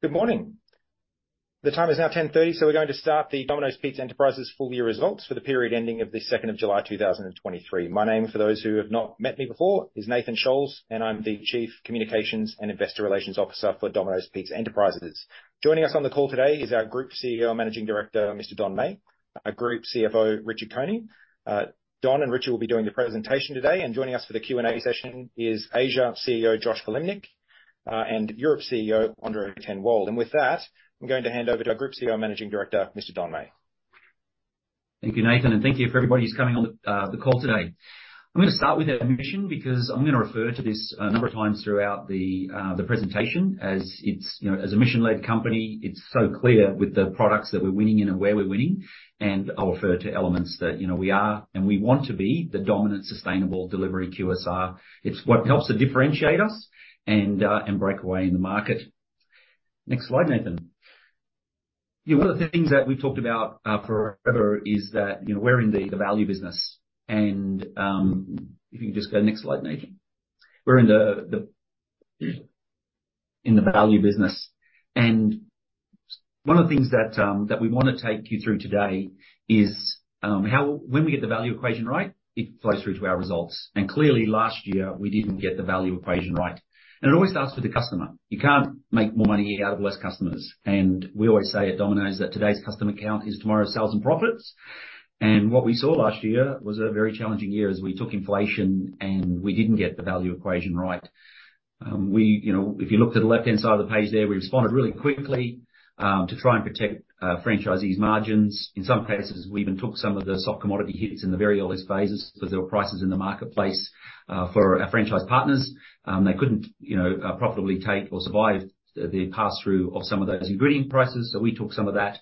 Good morning. The time is now 10:30 A.M., so we're going to start the Domino's Pizza Enterprises full year results for the period ending of the 2nd of July, 2023. My name, for those who have not met me before, is Nathan Scholz, and I'm the Chief Communications and Investor Relations Officer for Domino's Pizza Enterprises. Joining us on the call today is our Group CEO and Managing Director, Mr. Don Meij, our Group CFO, Richard Coney. Don and Richard will be doing the presentation today, and joining us for the Q&A session is Asia CEO, Josh Kilimnik, and Europe CEO, Andre Ten Wolde. With that, I'm going to hand over to our Group CEO and Managing Director, Mr. Don Meij. Thank you, Nathan, and thank you for everybody who's coming on the call today. I'm gonna start with our mission, because I'm gonna refer to this a number of times throughout the presentation as it's You know, as a mission-led company, it's so clear with the products that we're winning in and where we're winning. I'll refer to elements that we are and we want to be the dominant, sustainable delivery QSR. It's what helps to differentiate us and break away in the market. Next slide, Nathan. One of the things that we've talked about forever is that we're in the value business. If you can just go next slide, Nathan. We're in the In the value business. One of the things that we want to take you through today is when we get the value equation right, it flows through to our results. Clearly, last year, we didn't get the value equation right. It always starts with the customer. You can't make more money out of less customers, and we always say at Domino's that today's customer count is tomorrow's sales and profits. What we saw last year was a very challenging year, as we took inflation, and we didn't get the value equation right. we if you looked at the left-hand side of the page there, we responded really quickly to try and protect franchisees' margins. In some cases, we even took some of the soft commodity hits in the very earliest phases, because there were prices in the marketplace, for our franchise partners. They couldn't profitably take or survive the, the pass-through of some of those ingredient prices, so we took some of that.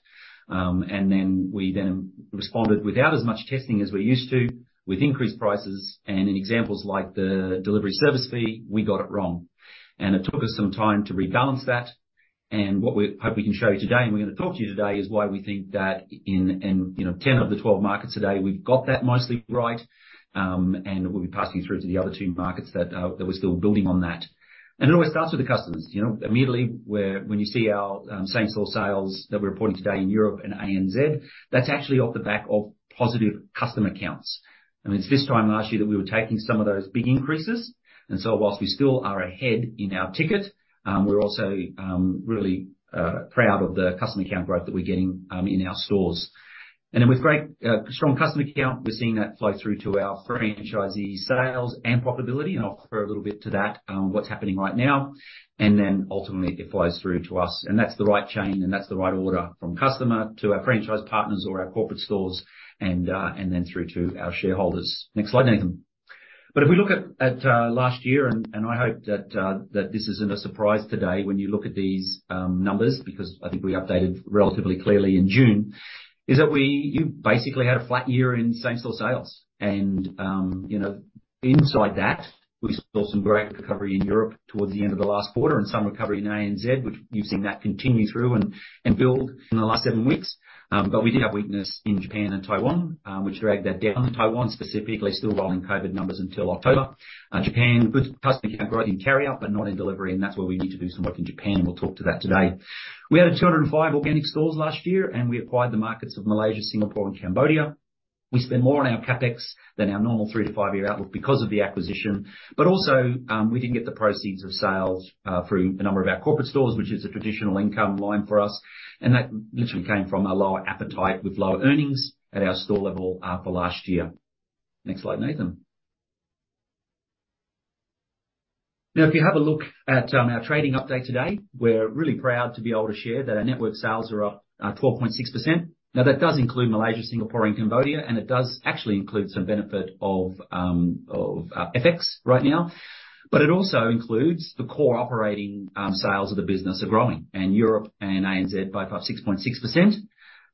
We then responded without as much testing as we're used to, with increased prices, and in examples like the delivery service fee, we got it wrong. It took us some time to rebalance that. What we hope we can show you today, and we're going to talk to you today, is why we think that in, in 10 of the 12 markets today, we've got that mostly right. We'll be passing through to the other 2 markets that, that we're still building on that. It always starts with the customers. You know, immediately, when you see our same-store sales that we're reporting today in Europe and ANZ, that's actually off the back of positive customer counts. I mean, it's this time last year that we were taking some of those big increases, and so whilst we still are ahead in our ticket, we're also really proud of the customer count growth that we're getting in our stores. Then with great, strong customer count, we're seeing that flow through to our franchisee sales and profitability, and I'll refer a little bit to that on what's happening right now. Then ultimately, it flows through to us. That's the right chain, and that's the right order, from customer to our franchise partners or our corporate stores, and then through to our shareholders. Next slide, Nathan. If we look at, at last year, and I hope that this isn't a surprise today when you look at these numbers, because I think we updated relatively clearly in June, is that you basically had a flat year in same-store sales. You know, inside that, we saw some great recovery in Europe towards the end of the last quarter and some recovery in ANZ, which you've seen that continue through and, and build in the last 7 weeks. But we did have weakness in Japan and Taiwan, which dragged that down. Taiwan specifically, still rolling COVID numbers until October. Japan, good customer count growth in carry out, but not in delivery, and that's where we need to do some work in Japan. We'll talk to that today. We added 205 organic stores last year. We acquired the markets of Malaysia, Singapore, and Cambodia. We spent more on our CapEx than our normal 3-5-year outlook because of the acquisition, also, we didn't get the proceeds of sales through a number of our corporate stores, which is a traditional income line for us. That literally came from a lower appetite with lower earnings at our store level for last year. Next slide, Nathan. Now, if you have a look at our trading update today, we're really proud to be able to share that our network sales are up 12.6%. Now, that does include Malaysia, Singapore, and Cambodia. It does actually include some benefit of FX right now. It also includes the core operating sales of the business are growing, and Europe and ANZ by about 6.6%.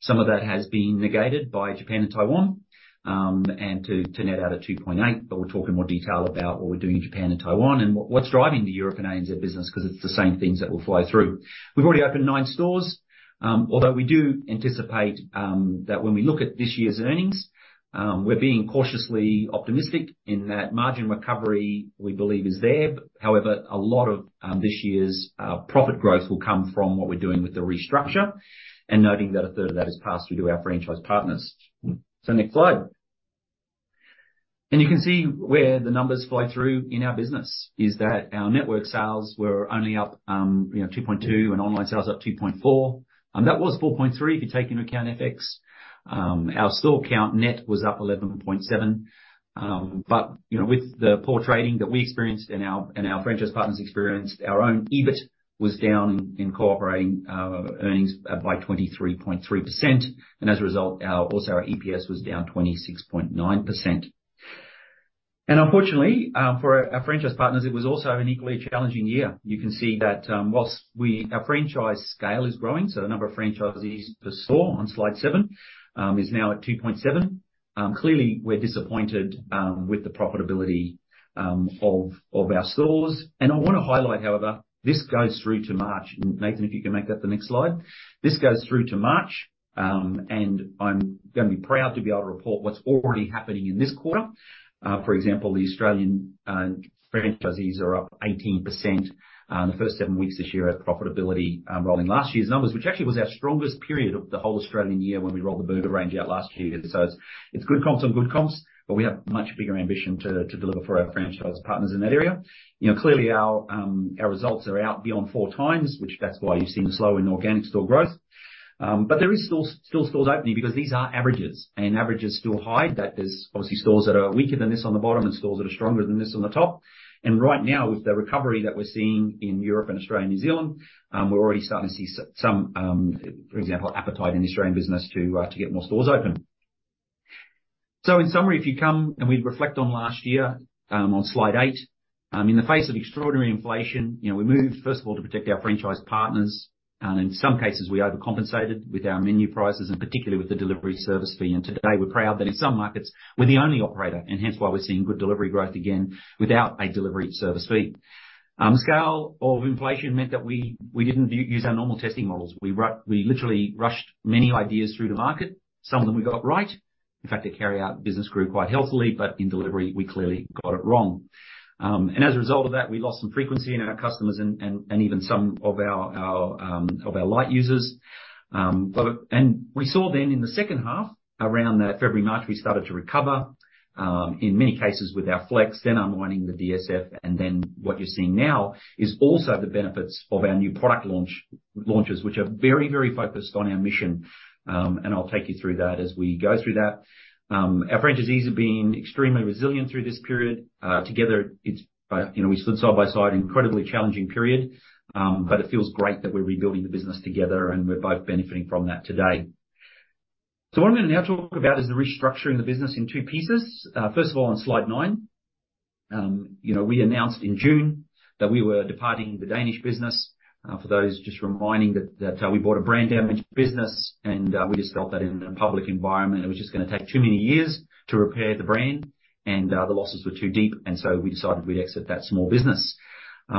Some of that has been negated by Japan and Taiwan, and to net out of 2.8. We'll talk in more detail about what we're doing in Japan and Taiwan, and what's driving the Europe and ANZ business, because it's the same things that will flow through. We've already opened nine stores, although we do anticipate that when we look at this year's earnings, we're being cautiously optimistic in that margin recovery we believe is there. However, a lot of this year's profit growth will come from what we're doing with the restructure, and noting that a third of that is passed through to our franchise partners. Next slide. You can see where the numbers flow through in our business, is that our network sales were only up 2.2, and online sales up 2.4. That was 4.3 if you take into account FX. Our store count net was up 11.7. You know, with the poor trading that we experienced and our, and our franchise partners experienced, our own EBIT was down in core operating earnings by 23.3%, and as a result, also, our EPS was down 26.9%. Unfortunately, for our, our franchise partners, it was also an equally challenging year. You can see that, whilst our franchise scale is growing, so the number of franchisees per store on slide 7, is now at 2.7. Clearly, we're disappointed with the profitability of our stores. I want to highlight, however, this goes through to March. Nathan, if you can make that the next slide. This goes through to March, and I'm going to be proud to be able to report what's already happening in this quarter. For example, the Australian franchisees are up 18% in the first seven weeks this year as profitability, rolling last year's numbers, which actually was our strongest period of the whole Australian year when we rolled the burger range out last year. It's, it's good comps on good comps, but we have much bigger ambition to deliver for our franchise partners in that area. You know, clearly our results are out beyond four times, which that's why you've seen the slow in organic store growth. There is still, still stores opening because these are averages, and averages still hide that there's obviously stores that are weaker than this on the bottom and stores that are stronger than this on the top. Right now, with the recovery that we're seeing in Europe and Australia, New Zealand, we're already starting to see some, for example, appetite in the Australian business to get more stores open. In summary, if you come and we reflect on last year, on slide 8, in the face of extraordinary inflation we moved, first of all, to protect our franchise partners. In some cases, we overcompensated with our menu prices, and particularly with the delivery service fee. Today, we're proud that in some markets, we're the only operator, and hence why we're seeing good delivery growth again without a delivery service fee. Scale of inflation meant that we, we didn't use our normal testing models. We literally rushed many ideas through the market. Some of them we got right. In fact, the carryout business grew quite healthily, but in delivery, we clearly got it wrong. As a result of that, we lost some frequency in our customers and, and, and even some of our, our, of our light users. We saw then in the second half, around the February, March, we started to recover, in many cases with our flex, then unwinding the DSF. What you're seeing now is also the benefits of our new product launch, launches, which are very, very focused on our mission. I'll take you through that as we go through that. Our franchisees have been extremely resilient through this period. Together, it's we stood side by side, incredibly challenging period, but it feels great that we're rebuilding the business together, and we're both benefiting from that today. What I'm going to now talk about is the restructuring the business in two pieces. First of all, on slide nine we announced in June that we were departing the Danish business. For those, just reminding that, that we bought a brand damage business, we just felt that in a public environment, it was just going to take too many years to repair the brand, the losses were too deep, we decided we'd exit that small business.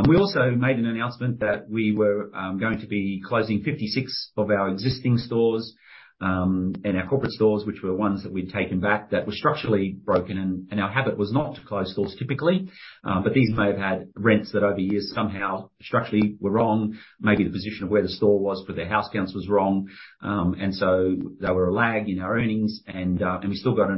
We also made an announcement that we were going to be closing 56 of our existing stores, and our corporate stores, which were ones that we'd taken back that were structurally broken. Our habit was not to close stores typically, but these may have had rents that over years, somehow structurally were wrong. Maybe the position of where the store was for their house counts was wrong. They were a lag in our earnings, and we still got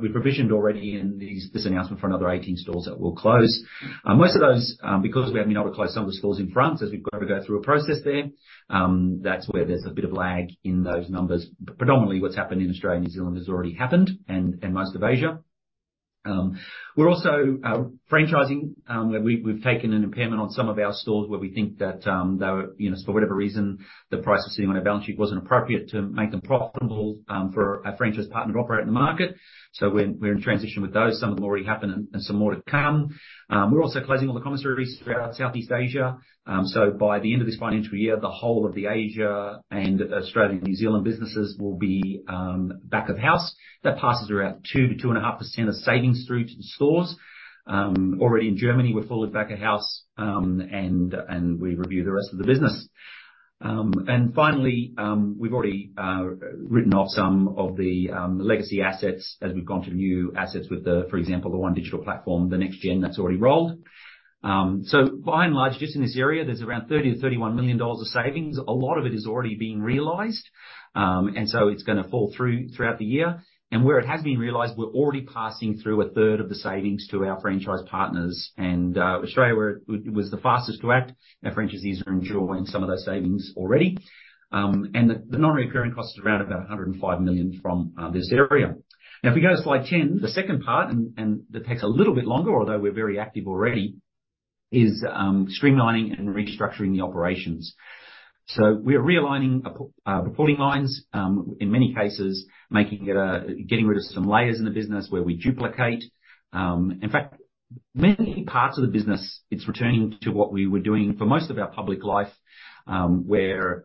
we provisioned already in these, this announcement for another 18 stores that will close. Most of those, because we have been able to close some of the stores in France, as we've got to go through a process there, that's where there's a bit of lag in those numbers. Predominantly, what's happened in Australia and New Zealand has already happened, and most of Asia. We're also franchising, where we've taken an impairment on some of our stores, where we think that they were for whatever reason, the price was sitting on our balance sheet wasn't appropriate to make them profitable, for our franchise partner to operate in the market. We're, we're in transition with those. Some of them already happened, and some more to come. We're also closing all the commissaries throughout Southeast Asia. By the end of this financial year, the whole of the Asia and Australia, New Zealand businesses will be back of house. That passes around 2%-2.5% of savings through to the stores. Already in Germany, we're fully back of house, and we review the rest of the business. Finally, we've already written off some of the legacy assets as we've gone to new assets with the, for example, the OneDigital platform, the next-gen, that's already rolled. By and large, just in this area, there's around 30 million-31 million dollars of savings. A lot of it is already being realized, and so it's gonna fall through throughout the year. Where it has been realized, we're already passing through a third of the savings to our franchise partners. Australia, where it was the fastest to act, our franchisees are enjoying some of those savings already. The non-recurring cost is around about 105 million from this area. If we go to slide 10, the second part, that takes a little bit longer, although we're very active already, is streamlining and restructuring the operations. We're realigning reporting lines, in many cases, making it getting rid of some layers in the business where we duplicate. In fact, many parts of the business, it's returning to what we were doing for most of our public life, where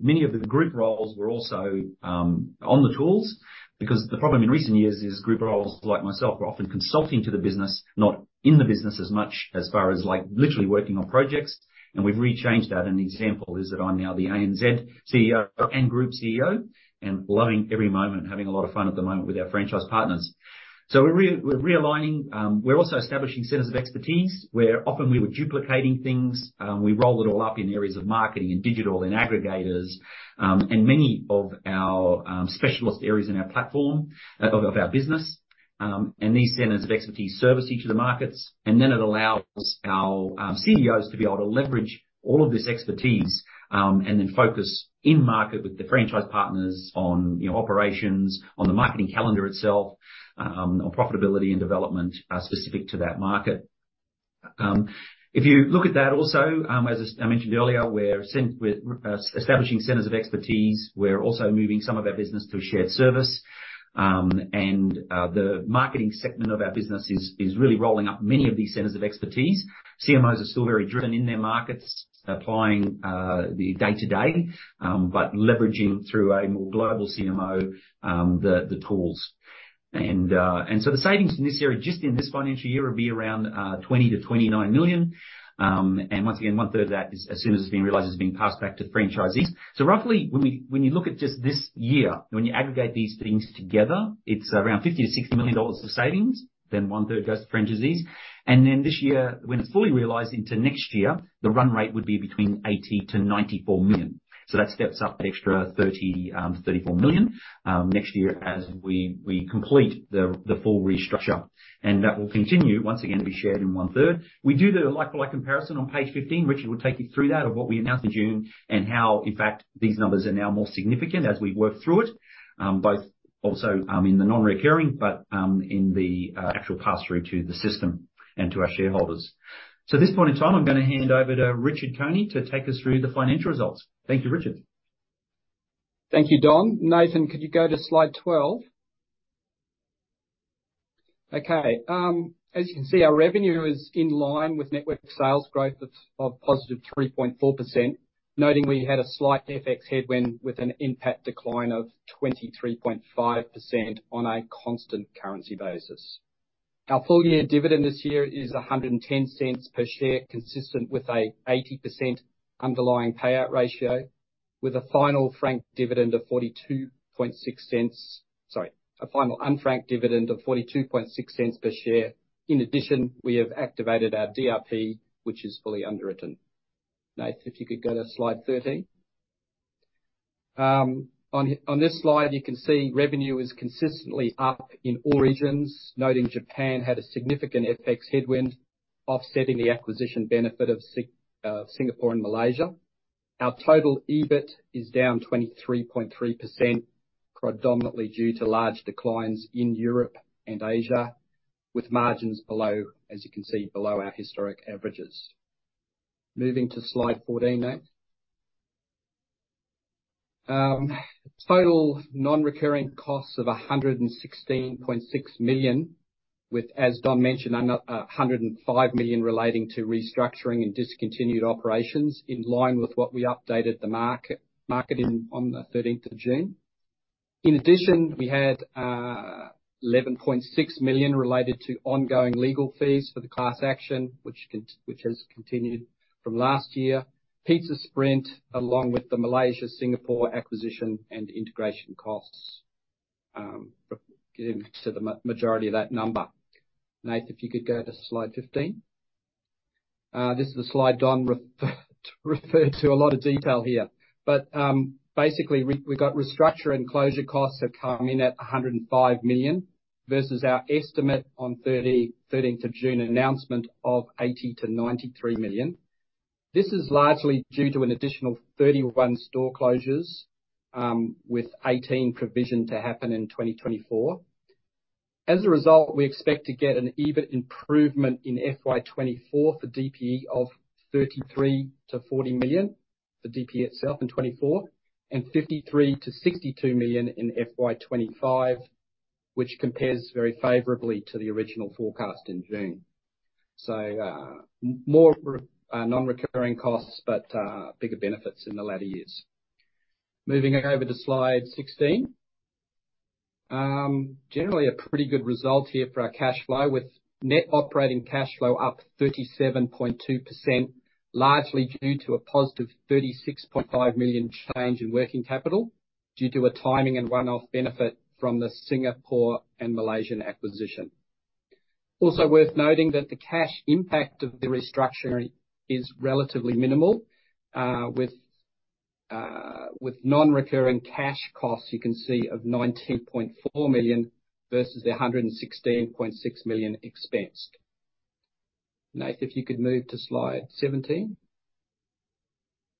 many of the group roles were also on the tools. The problem in recent years is group roles, like myself, were often consulting to the business, not in the business as much as far as, like, literally working on projects. We've rechanged that and the example, is that I'm now the ANZ CEO and Group CEO, and loving every moment, and having a lot of fun at the moment with our franchise partners. We're realigning. We're also establishing centers of expertise, where often we were duplicating things. We roll it all up in areas of marketing and digital and aggregators, and many of our specialist areas in our platform, of our business. These centers of expertise service each of the markets, then it allows our CEOs to be able to leverage all of this expertise, then focus in market with the franchise partners on operations, on the marketing calendar itself, on profitability and development specific to that market. If you look at that also, as I mentioned earlier, we're establishing centers of expertise. We're also moving some of our business to a shared service.... The marketing segment of our business is really rolling up many of these centers of expertise. CMOs are still very driven in their markets, applying the day-to-day, but leveraging through a more global CMO, the tools. The savings in this year, just in this financial year, will be around 20 million-29 million. Once again, one-third of that is, as soon as it's being realized, is being passed back to franchisees. Roughly, when you look at just this year, when you aggregate these things together, it's around 50 million-60 million dollars of savings, then one-third goes to franchisees. This year, when it's fully realized into next year, the run rate would be between 80 million-94 million. That steps up an extra 30 million-34 million next year as we complete the full restructure. That will continue, once again, to be shared in one-third. We do the like-for-like comparison on page 15, which we will take you through that, of what we announced in June, and how, in fact, these numbers are now more significant as we work through it, both also, in the non-recurring, but, in the actual pass-through to the system and to our shareholders. At this point in time, I'm gonna hand over to Richard Coney to take us through the financial results. Thank you, Richard. Thank you, Don. Nathan, could you go to slide 12? Okay. As you can see, our revenue is in line with network sales growth of positive 3.4%, noting we had a slight FX headwind with an impact decline of 23.5% on a constant currency basis. Our full year dividend this year is 1.10 per share, consistent with an 80% underlying payout ratio, with a final franked dividend of 0.426. Sorry, a final unfranked dividend of 0.426 per share. In addition, we have activated our DRP, which is fully underwritten. Nath, if you could go to slide 13. On this slide, you can see revenue is consistently up in all regions, noting Japan had a significant FX headwind, offsetting the acquisition benefit of Singapore and Malaysia. Our total EBIT is down 23.3%, predominantly due to large declines in Europe and Asia, with margins below, as you can see, below our historic averages. Moving to slide 14, Nath. Total non-recurring costs of $116.6 million with, as Don mentioned, $105 million relating to restructuring and discontinued operations, in line with what we updated the market in, on the 13th of June. In addition, we had $11.6 million related to ongoing legal fees for the class action, which has continued from last year. Pizza Sprint, along with the Malaysia, Singapore acquisition and integration costs, getting to the majority of that number. Nath, if you could go to slide 15. This is the slide Don referred to a lot of detail here. Basically, we've got restructure and closure costs have come in at 105 million, versus our estimate on 13th of June announcement of 80 million-93 million. This is largely due to an additional 31 store closures, with 18 provisioned to happen in 2024. As a result, we expect to get an EBIT improvement in FY24 for DPE of 33 million-40 million, the DPE itself in 2024, and 53 million-62 million in FY25, which compares very favorably to the original forecast in June. More non-recurring costs, but bigger benefits in the latter years. Moving over to slide 16. Generally, a pretty good result here for our cash flow, with net operating cash flow up 37.2%, largely due to a positive 36.5 million change in working capital, due to a timing and one-off benefit from the Singapore and Malaysian acquisition. Also worth noting that the cash impact of the restructuring is relatively minimal, with non-recurring cash costs, you can see, of 19.4 million versus the 116.6 million expensed. Nath, if you could move to Slide 17.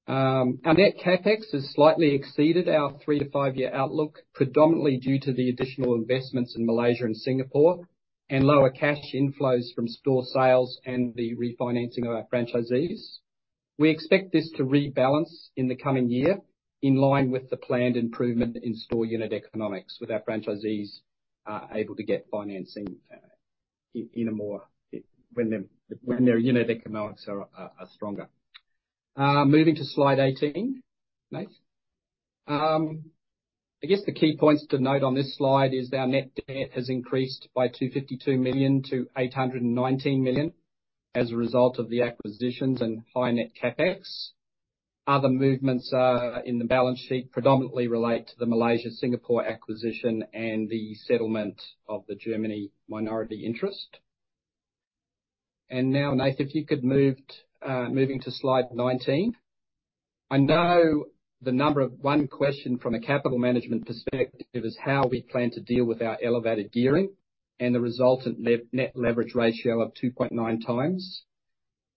Our net CapEx has slightly exceeded our three to five-year outlook, predominantly due to the additional investments in Malaysia and Singapore, and lower cash inflows from store sales and the refinancing of our franchisees. We expect this to rebalance in the coming year, in line with the planned improvement in store unit economics, with our franchisees able to get financing in, in a more... when their, when their unit economics are, are, are stronger. Moving to Slide 18, Nath. I guess the key points to note on this slide is our net debt has increased by 252 million to 819 million as a result of the acquisitions and high net CapEx. Other movements in the balance sheet predominantly relate to the Malaysia, Singapore acquisition and the settlement of the Germany minority interest. Now, Nath, if you could moving to Slide 19. I know one question from a capital management perspective is how we plan to deal with our elevated gearing and the resultant net leverage ratio of 2.9 times.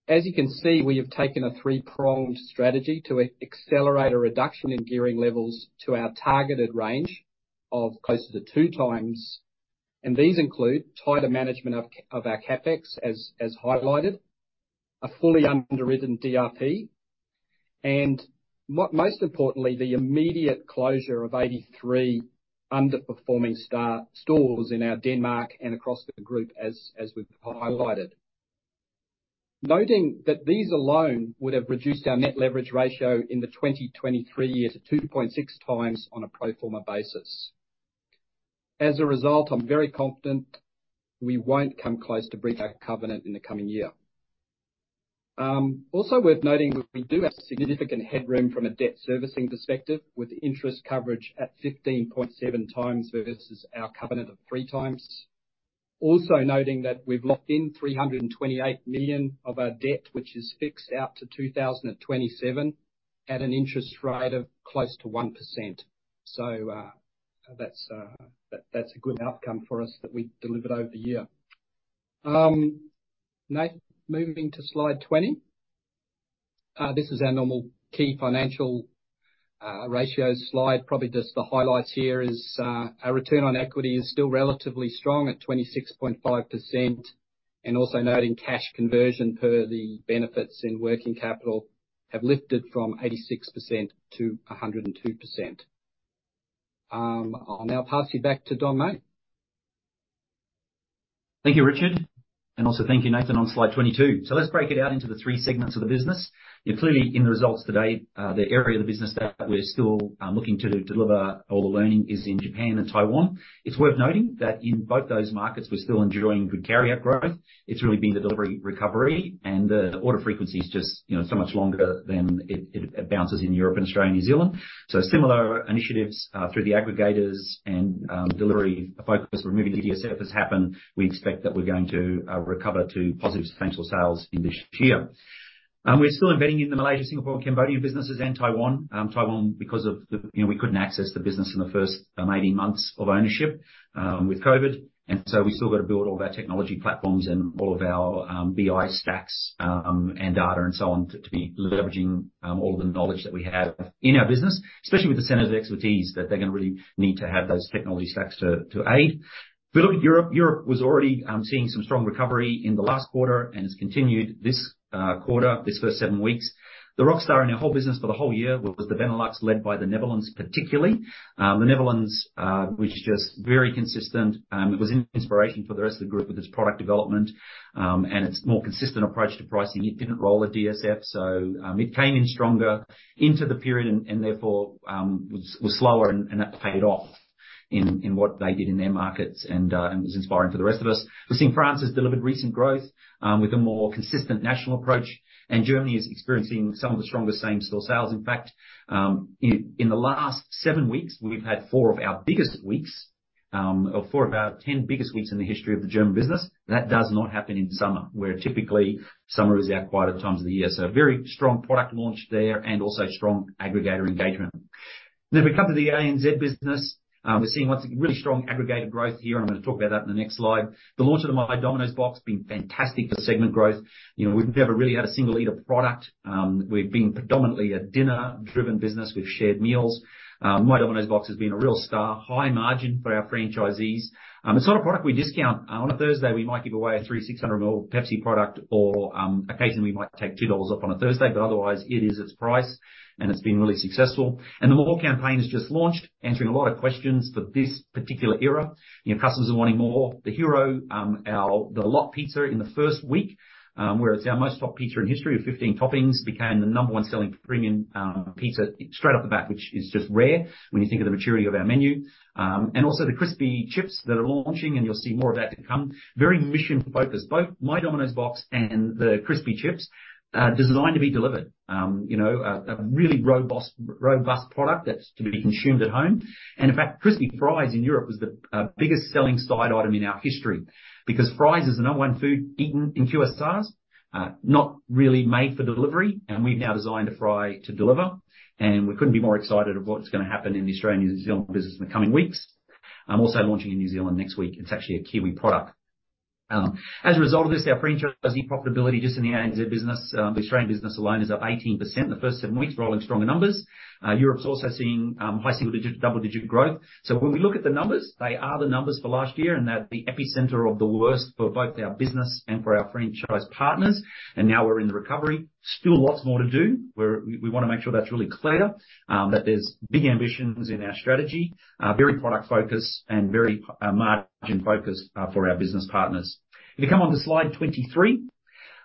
As you can see, we have taken a three-pronged strategy to accelerate a reduction in gearing levels to our targeted range of closer to 2 times. These include tighter management of our CapEx, as highlighted, a fully underwritten DRP. Most importantly, the immediate closure of 83 underperforming stores in our Denmark and across the group, as we've highlighted. Noting that these alone would have reduced our net leverage ratio in the 2023 year to 2.6 times on a pro forma basis. As a result, I'm very confident I won't come close to breaking our covenant in the coming year. Also worth noting that we do have significant headroom from a debt servicing perspective, with interest coverage at 15.7 times versus our covenant of 3 times. Also noting that we've locked in 328 million of our debt, which is fixed out to 2027 at an interest rate of close to 1%. That's, that's a good outcome for us that we delivered over year. Nate, moving to slide 20. This is our normal key financial ratios slide. Probably just the highlights here is our return on equity is still relatively strong at 26.5%, and also noting cash conversion per the benefits in working capital have lifted from 86%-102%. I'll now pass you back to Don, mate. Thank you, Richard, and also thank you, Nathan, on slide 22. Let's break it out into the three segments of the business. You know, clearly in the results today, the area of the business that we're still looking to, to deliver all the learning is in Japan and Taiwan. It's worth noting that in both those markets, we're still enjoying good carryout growth. It's really been the delivery recovery and the order frequency is just so much longer than it, it, it bounces in Europe and Australia, New Zealand. Similar initiatives through the aggregators and delivery focus, removing DSF has happened. We expect that we're going to recover to positive substantial sales in this year. We're still investing in the Malaysia, Singapore, and Cambodia businesses and Taiwan. Taiwan, because of the you know, we couldn't access the business in the first 18 months of ownership, with COVID, and so we still got to build all of our technology platforms and all of our BI stacks, and data and so on, to, to be leveraging all the knowledge that we have in our business. Especially with the centers of expertise, that they're gonna really need to have those technology stacks to, to aid. If we look at Europe, Europe was already seeing some strong recovery in the last quarter and has continued this quarter, this first 7 weeks. The rock star in our whole business for the whole year was the Benelux, led by the Netherlands, particularly. The Netherlands, which is just very consistent, it was an inspiration for the rest of the group with its product development and its more consistent approach to pricing. It didn't roll a DSF, so it came in stronger into the period and therefore was slower and that paid off in what they did in their markets and was inspiring for the rest of us. We've seen France has delivered recent growth with a more consistent national approach, and Germany is experiencing some of the strongest same-store sales. In fact, in the last seven weeks, we've had four of our biggest weeks, or four of our 10 biggest weeks in the history of the German business. That does not happen in summer, where typically summer is our quietest times of the year. A very strong product launch there and also strong aggregator engagement. We come to the ANZ business. We're seeing once again, really strong aggregator growth here, I'm gonna talk about that in the next slide. The launch of the My Domino's Box has been fantastic for segment growth. You know, we've never really had a single eater product. We've been predominantly a dinner-driven business with shared meals. My Domino's Box has been a real star, high margin for our franchisees. It's not a product we discount. On a Thursday, we might give away a free 600 ml Pepsi product or, occasionally we might take 2 dollars off on a Thursday, but otherwise it is its price, and it's been really successful. The More campaign has just launched, answering a lot of questions for this particular era. You know, customers are wanting more. The hero, the The Lot in the first week, where it's our most top pizza in history of 15 toppings, became the number 1 selling premium pizza straight off the bat. Which is just rare when you think of the maturity of our menu. Also the Crispy Chips that are launching, and you'll see more of that to come. Very mission-focused, both My Domino's Box and the Crispy Chips are designed to be delivered. You know, a really robust, robust product that's to be consumed at home. In fact, Crispy Fries in Europe was the biggest selling side item in our history because fries is the number 1 food eaten in QSRs. Not really made for delivery, we've now designed a fry to deliver, and we couldn't be more excited of what's gonna happen in the Australian and New Zealand business in the coming weeks. I'm also launching in New Zealand next week. It's actually a Kiwi product. As a result of this, our franchisee profitability just in the ANZ business, the Australian business alone, is up 18% in the first 7 weeks, rolling stronger numbers. Europe's also seeing high double-digit growth. When we look at the numbers, they are the numbers for last year, they're the epicenter of the worst for both our business and for our franchise partners, now we're in the recovery. Still lots more to do. We're-- we, we wanna make sure that's really clear, that there's big ambitions in our strategy, very product-focused and very margin-focused for our business partners. If you come on to slide 23,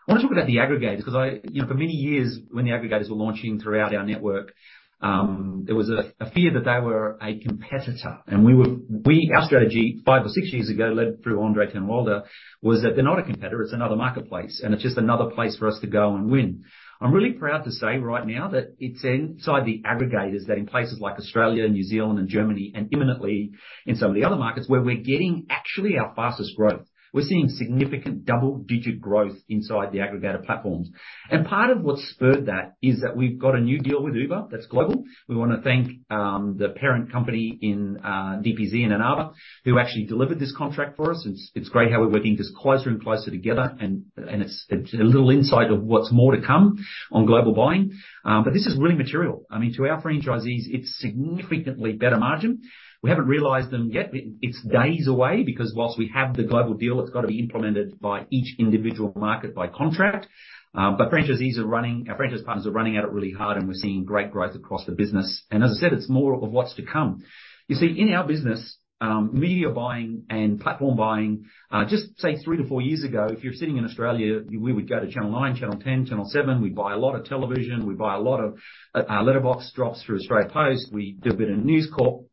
I want to talk about the aggregators. 'Cause I-- you know, for many years when the aggregators were launching throughout our network, there was a fear that they were a competitor, and we were-- we, our strategy 5 or 6 years ago, led through Andre ten Wolde, was that they're not a competitor, it's another marketplace, and it's just another place for us to go and win. I'm really proud to say right now that it's inside the aggregators, that in places like Australia and New Zealand and Germany and imminently in some of the other markets, where we're getting actually our fastest growth. We're seeing significant double-digit growth inside the aggregator platforms. Part of what spurred that is that we've got a new deal with Uber that's global. We wanna thank the parent company in DPZ and Ann Arbor, who actually delivered this contract for us. It's, it's great how we're working just closer and closer together, and, and it's a, a little insight of what's more to come on global buying. This is really material. I mean, to our franchisees, it's significantly better margin. We haven't realized them yet. It, it's days away, because whilst we have the global deal, it's got to be implemented by each individual market by contract. Franchisees are running our franchise partners are running at it really hard, and we're seeing great growth across the business. As I said, it's more of what's to come. You see, in our business, media buying and platform buying, just say 3 to 4 years ago, if you're sitting in Australia, we would go to Nine Network, Network 10, Seven Network. We buy a lot of television, we buy a lot of, letterbox drops through Australia Post. We do a bit of News Corp.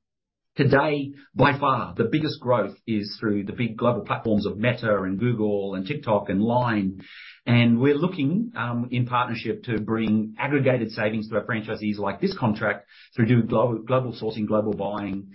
Today, by far, the biggest growth is through the big global platforms of Meta, and Google, and TikTok, and Line. We're looking, in partnership to bring aggregated savings to our franchisees, like this contract, through doing global sourcing, global buying,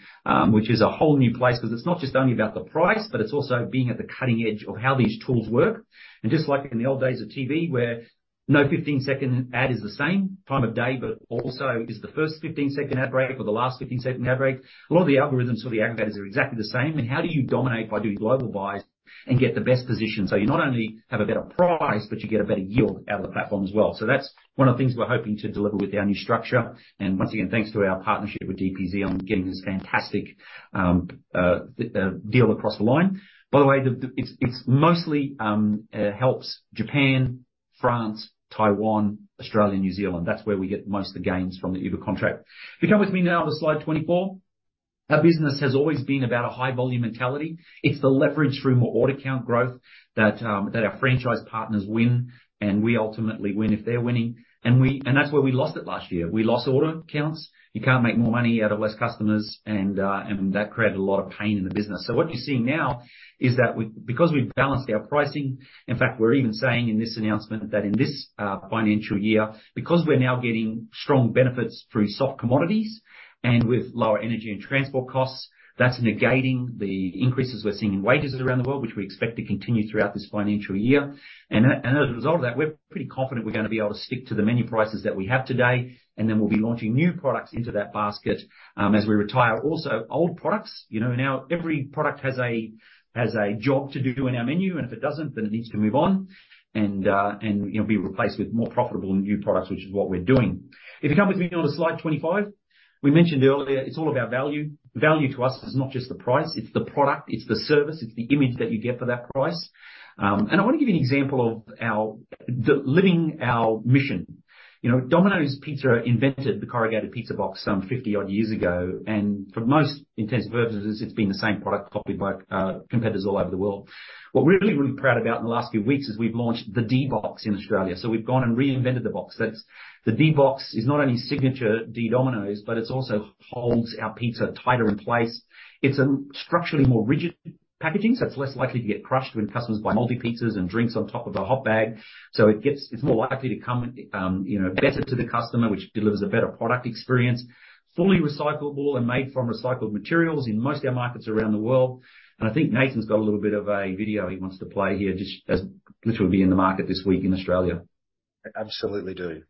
which is a whole new place. It's not just only about the price, but it's also being at the cutting edge of how these tools work. Just like in the old days of TV, where no 15-second ad is the same, time of day, but also is the first 15-second ad break or the last 15-second ad break, a lot of the algorithms or the aggregators are exactly the same, and how do you dominate by doing global buys and get the best position? You not only have a better price, but you get a better yield out of the platform as well. That's one of the things we're hoping to deliver with our new structure. Once again, thanks to our partnership with DPZ on getting this fantastic deal across the line. By the way, it's mostly helps Japan, France, Taiwan, Australia, and New Zealand. That's where we get most of the gains from the Uber contract. If you come with me now to slide 24. Our business has always been about a high volume mentality. It's the leverage through more order count growth that, that our franchise partners win, and we ultimately win if they're winning. That's where we lost it last year. We lost order counts. You can't make more money out of less customers, and that created a lot of pain in the business. What you're seeing now is that because we've balanced our pricing, in fact, we're even saying in this announcement that in this financial year, because we're now getting strong benefits through soft commodities and with lower energy and transport costs, that's negating the increases we're seeing in wages around the world, which we expect to continue throughout this financial year. As a result of that, we're pretty confident we're gonna be able to stick to the menu prices that we have today, and then we'll be launching new products into that basket, as we retire also old products. You know, now every product has a, has a job to do in our menu, and if it doesn't, then it needs to move on and be replaced with more profitable and new products, which is what we're doing. If you come with me onto slide 25. We mentioned earlier, it's all about value. Value to us is not just the price, it's the product, it's the service, it's the image that you get for that price. I want to give you an example of our living our mission. You know, Domino's Pizza invented the corrugated pizza box some 50-odd years ago, and for the most intents and purposes, it's been the same product copied by competitors all over the world. What we're really, really proud about in the last few weeks, is we've launched the D-Box in Australia, we've gone and reinvented the box. The D-Box is not only signature D, Domino's, but it also holds our pizza tighter in place. It's a structurally more rigid packaging, so it's less likely to get crushed when customers buy multi-pizzas and drinks on top of the hot bag. It's more likely to come better to the customer, which delivers a better product experience. Fully recyclable and made from recycled materials in most of our markets around the world. I think Nathan's got a little bit of a video he wants to play here, just as this will be in the market this week in Australia. I absolutely do. Thank you,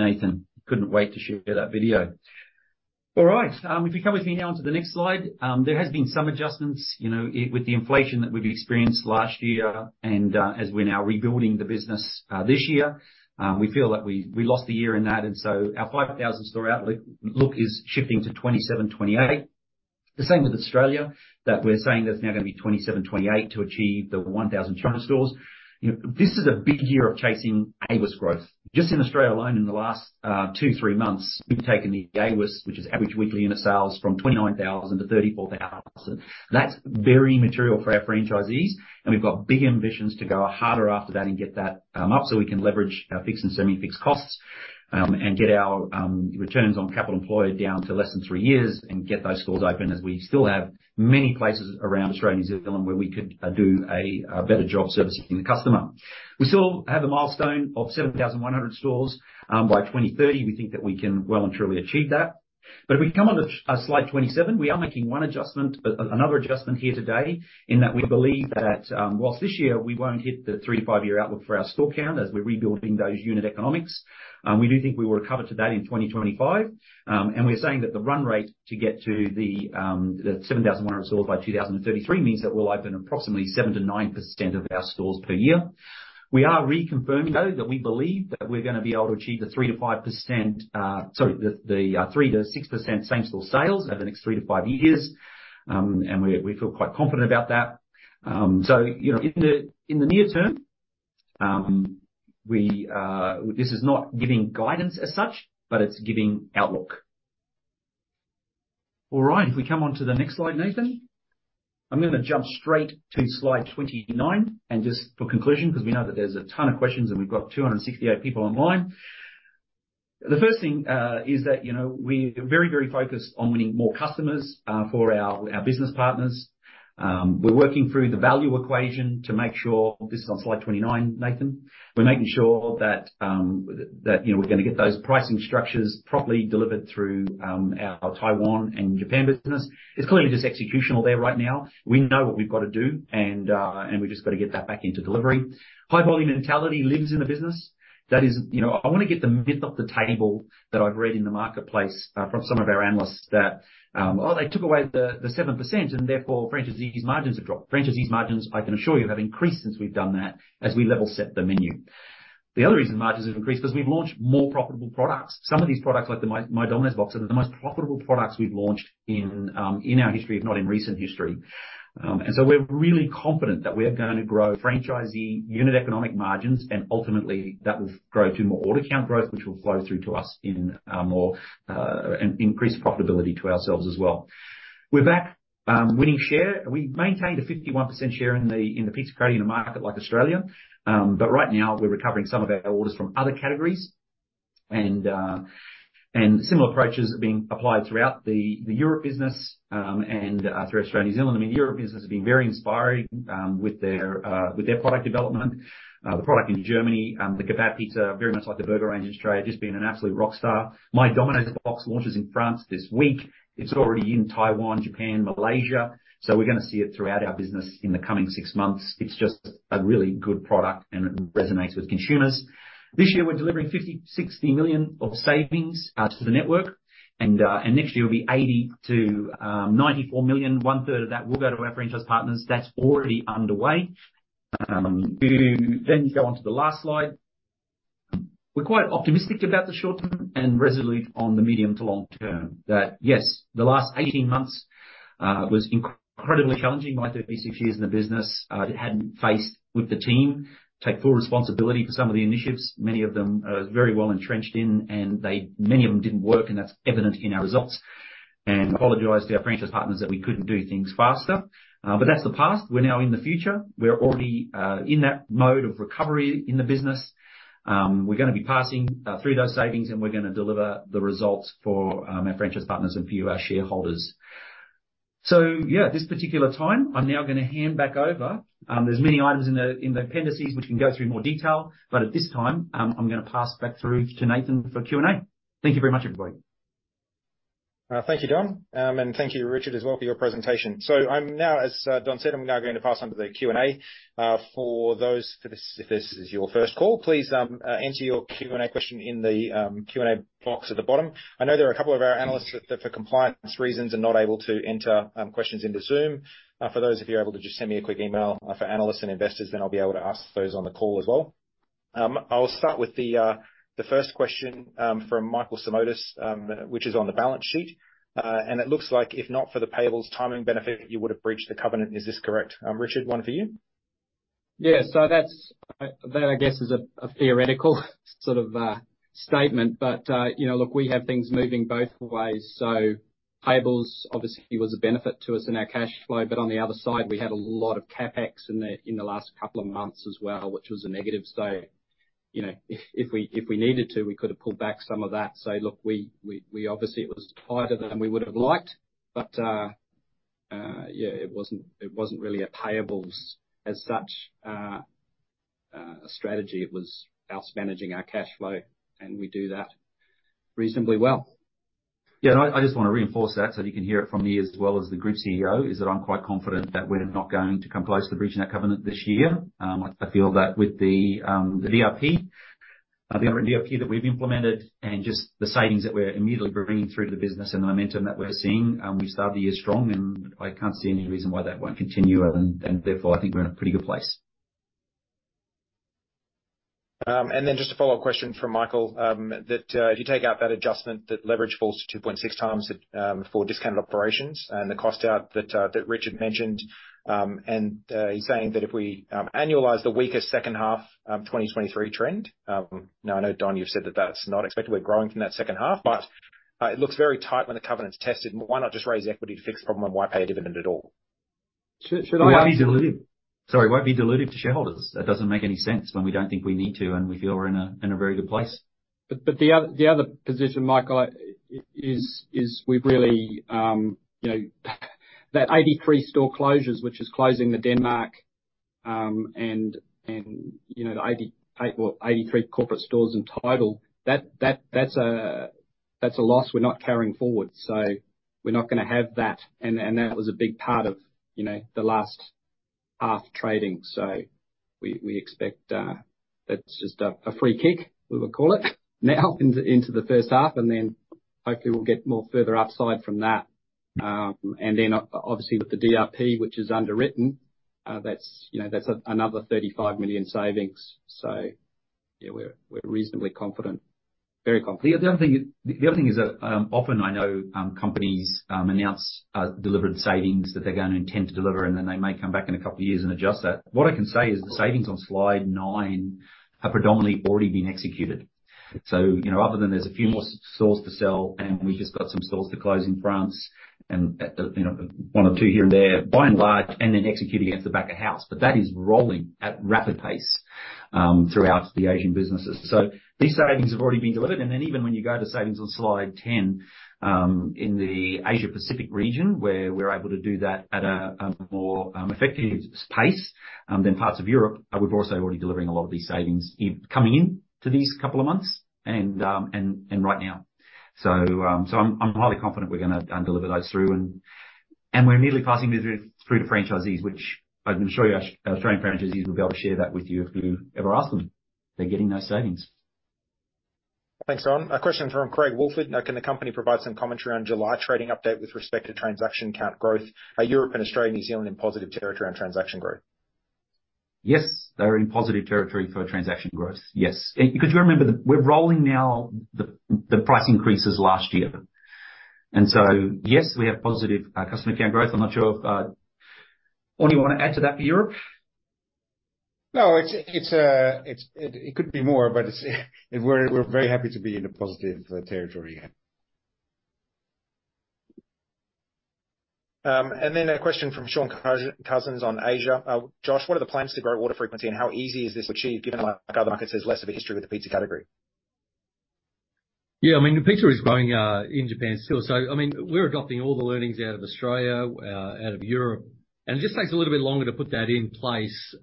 Nathan. Couldn't wait to share that video. All right, if you come with me now onto the next slide. There has been some adjustments with the inflation that we've experienced last year, and as we're now rebuilding the business, this year. We feel that we lost the year in that, and so our 5,000 store outlet look is shifting to 2027-2028. The same with Australia, that we're saying that's now going to be 2027-2028 to achieve the 1,200 stores. You know, this is a big year of chasing AWUS growth. Just in Australia alone, in the last two, three months, we've taken the AWUS, which is average weekly unit sales, from 29,000 to 34,000. That's very material for our franchisees, and we've got big ambitions to go harder after that and get that up, so we can leverage our fixed and semi-fixed costs, and get our returns on capital employed down to less than three years. Get those stores open, as we still have many places around Australia and New Zealand where we could do a, a better job servicing the customer. We still have a milestone of 7,100 stores by 2030. We think that we can well and truly achieve that. If we come onto slide 27, we are making one adjustment, another adjustment here today, in that we believe that, whilst this year we won't hit the 3-5-year outlook for our store count as we're rebuilding those unit economics, we do think we will recover to that in 2025. We're saying that the run rate to get to the 7,100 stores by 2033 means that we'll open approximately 7-9% of our stores per year. We are reconfirming, though, that we believe that we're gonna be able to achieve the 3-5%, sorry, the 3-6% same-store sales over the next 3-5 years. We, we feel quite confident about that. You know, in the, in the near term, this is not giving guidance as such, but it's giving outlook. All right, if we come on to the next slide, Nathan. I'm gonna jump straight to slide 29, and just for conclusion, because we know that there's a ton of questions and we've got 268 people online. The first thing is that we're very, very focused on winning more customers for our, our business partners. We're working through the value equation to make sure. This is on slide 29, Nathan. We're making sure that, that we're gonna get those pricing structures properly delivered through our Taiwan and Japan business. It's clearly just executional there right now. We know what we've got to do, and we've just got to get that back into delivery. High-volume mentality lives in the business. That is I want to get the myth off the table that I've read in the marketplace, from some of our analysts that: "Oh, they took away the, the 7%, and therefore franchisees' margins have dropped." Franchisees' margins, I can assure you, have increased since we've done that, as we level set the menu. The other reason margins have increased, because we've launched more profitable products. Some of these products, like the My Domino's Boxes, are the most profitable products we've launched in, in our history, if not in recent history.... We're really confident that we are going to grow franchisee unit economic margins, and ultimately that will grow through more order count growth, which will flow through to us in more in-increased profitability to ourselves as well. We're back, winning share. We maintained a 51% share in the pizza category in a market like Australia. We're recovering some of our orders from other categories. Similar approaches are being applied throughout the Europe business and through Australia and New Zealand. I mean, Europe business has been very inspiring with their product development. The product in Germany, the kebab pizza, very much like the burger range in Australia, just been an absolute rock star. My Domino's Box launches in France this week. It's already in Taiwan, Japan, Malaysia. We're going to see it throughout our business in the coming six months. It's just a really good product, it resonates with consumers. This year, we're delivering 50 million-60 million of savings to the network, and next year will be 80 million-94 million. One third of that will go to our franchise partners. That's already underway. Do you go on to the last slide? We're quite optimistic about the short term and resolute on the medium to long term, that, yes, the last 18 months was incredibly challenging. In my 36 years in the business, I hadn't faced with the team, take full responsibility for some of the initiatives, many of them are very well entrenched in, many of them didn't work, that's evident in our results. Apologize to our franchise partners that we couldn't do things faster. That's the past. We're now in the future. We're already in that mode of recovery in the business. We're going to be passing through those savings, and we're going to deliver the results for our franchise partners and for you, our shareholders. Yeah, at this particular time, I'm now going to hand back over. There's many items in the, in the appendices, which we can go through more detail, but at this time, I'm going to pass back through to Nathan for Q&A. Thank you very much, everybody. Thank you, Don. Thank you, Richard, as well, for your presentation. I'm now, as Don said, I'm now going to pass on to the Q&A. For those, for this-- if this is your first call, please, enter your Q&A question in the Q&A box at the bottom. I know there are a couple of our analysts that, for compliance reasons, are not able to enter questions into Zoom. For those of you able to just send me a quick email, for analysts and investors, then I'll be able to ask those on the call as well. I'll start with the first question from Michael Simotas, which is on the balance sheet. It looks like, if not for the payables timing benefit, you would have breached the covenant. Is this correct? Richard, one for you. Yeah. That's, that I guess is a theoretical sort of, statement. You know, look, we have things moving both ways. Payables obviously was a benefit to us in our cash flow, but on the other side, we had a lot of CapEx in the last couple of months as well, which was a negative. You know, if we needed to, we could have pulled back some of that. Look, we obviously it was tighter than we would have liked, but, yeah, it wasn't, it wasn't really a payables as such, strategy. It was us managing our cash flow, and we do that reasonably well. Yeah, and I, I just want to reinforce that, so you can hear it from me as well as the Group CEO, is that I'm quite confident that we're not going to come close to breaching that covenant this year. I feel that with the DRP, the DRP that we've implemented and just the savings that we're immediately bringing through to the business and the momentum that we're seeing, we've started the year strong, and I can't see any reason why that won't continue, and, and therefore, I think we're in a pretty good place. Just a follow-up question from Michael Simotas. If you take out that adjustment, that leverage falls to 2.6 times for discounted operations and the cost out that Richard Coney mentioned. He's saying that if we annualize the weaker second half 2023 trend, Now, I know, Don Meij, you've said that that's not expected. We're growing from that second half, but it looks very tight when the covenant's tested. Why not just raise equity to fix the problem, and why pay a dividend at all? Should Sorry. Why be dilutive to shareholders? That doesn't make any sense when we don't think we need to, and we feel we're in a very good place. The other, the other position, Michael, we've really that 83 store closures, which is closing the Denmark, and, and the 88, well, 83 corporate stores in total that's a loss we're not carrying forward. We're not going to have that, and, and that was a big part of the last half trading. We, we expect that's just a, a free kick, we will call it now into, into the first half, and then hopefully we'll get more further upside from that. Then obviously with the DRP, which is underwritten, that's another 35 million savings. Yeah, we're, we're reasonably confident, very confident. The other thing, the other thing is that, often I know, companies announce delivered savings that they're going to intend to deliver, and then they may come back in 2 years and adjust that. What I can say is the savings on Slide 9 have predominantly already been executed. You know, other than there's a few more stores to sell, and we've just got some stores to close in France and 1 or 2 here and there, by and large, and then executing against the back of house, but that is rolling at rapid pace, throughout the Asian businesses. These savings have already been delivered, and then even when you go to savings on Slide 10, in the Asia Pacific region, where we're able to do that at a, a more, effective pace, than parts of Europe, we're also already delivering a lot of these savings coming in to these couple of months and, and, and right now. I'm, I'm highly confident we're going to, deliver those through, and, and we're immediately passing those through, through to franchisees, which I'm sure our, our Australian franchisees will be able to share that with you if you ever ask them. They're getting those savings. Thanks, Don. A question from Craig Woolford: "Now, can the company provide some commentary on July trading update with respect to transaction count growth, are Europe and Australia, New Zealand, in positive territory on transaction growth? Yes, they're in positive territory for transaction growth. Yes. Because you remember that we're rolling now, the, the price increases last year. So, yes, we have positive customer count growth. I'm not sure if Andre, you want to add to that for Europe? No, it's, it's, it could be more, but it's we're, we're very happy to be in a positive, territory again. Then a question from Shaun Cous- Cousins on Asia. Josh, what are the plans to grow order frequency, and how easy is this to achieve, given a lot of other markets there's less of a history with the pizza category? Yeah, I mean, the pizza is growing in Japan still. I mean, we're adopting all the learnings out of Australia, out of Europe, and it just takes a little bit longer to put that in place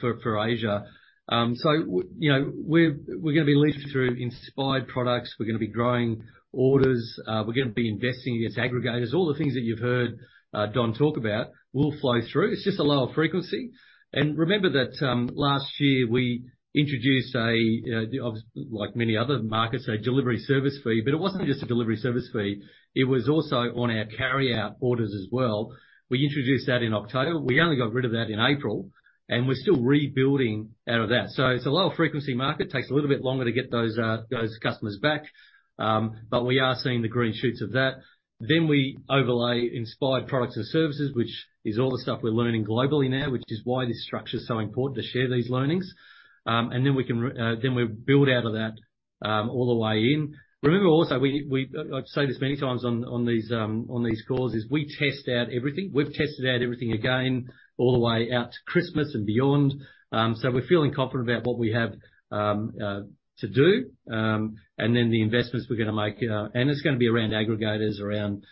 for Asia. You know, we're gonna be leading through inspired products, we're gonna be growing orders, we're gonna be investing against aggregators. All the things that you've heard Don talk about will flow through. It's just a lower frequency. Remember that, last year, we introduced a like many other markets, a delivery service fee. It wasn't just a delivery service fee, it was also on our carryout orders as well. We introduced that in October. We only got rid of that in April, and we're still rebuilding out of that. It's a lower frequency market, takes a little bit longer to get those, those customers back. We are seeing the green shoots of that. We overlay inspired products and services, which is all the stuff we're learning globally now, which is why this structure is so important, to share these learnings. We can r- then we build out of that, all the way in. Remember also, I've said this many times on, on these, on these calls, is we test out everything. We've tested out everything again, all the way out to Christmas and beyond. We're feeling confident about what we have to do. Then the investments we're gonna make and it's gonna be around aggregators, around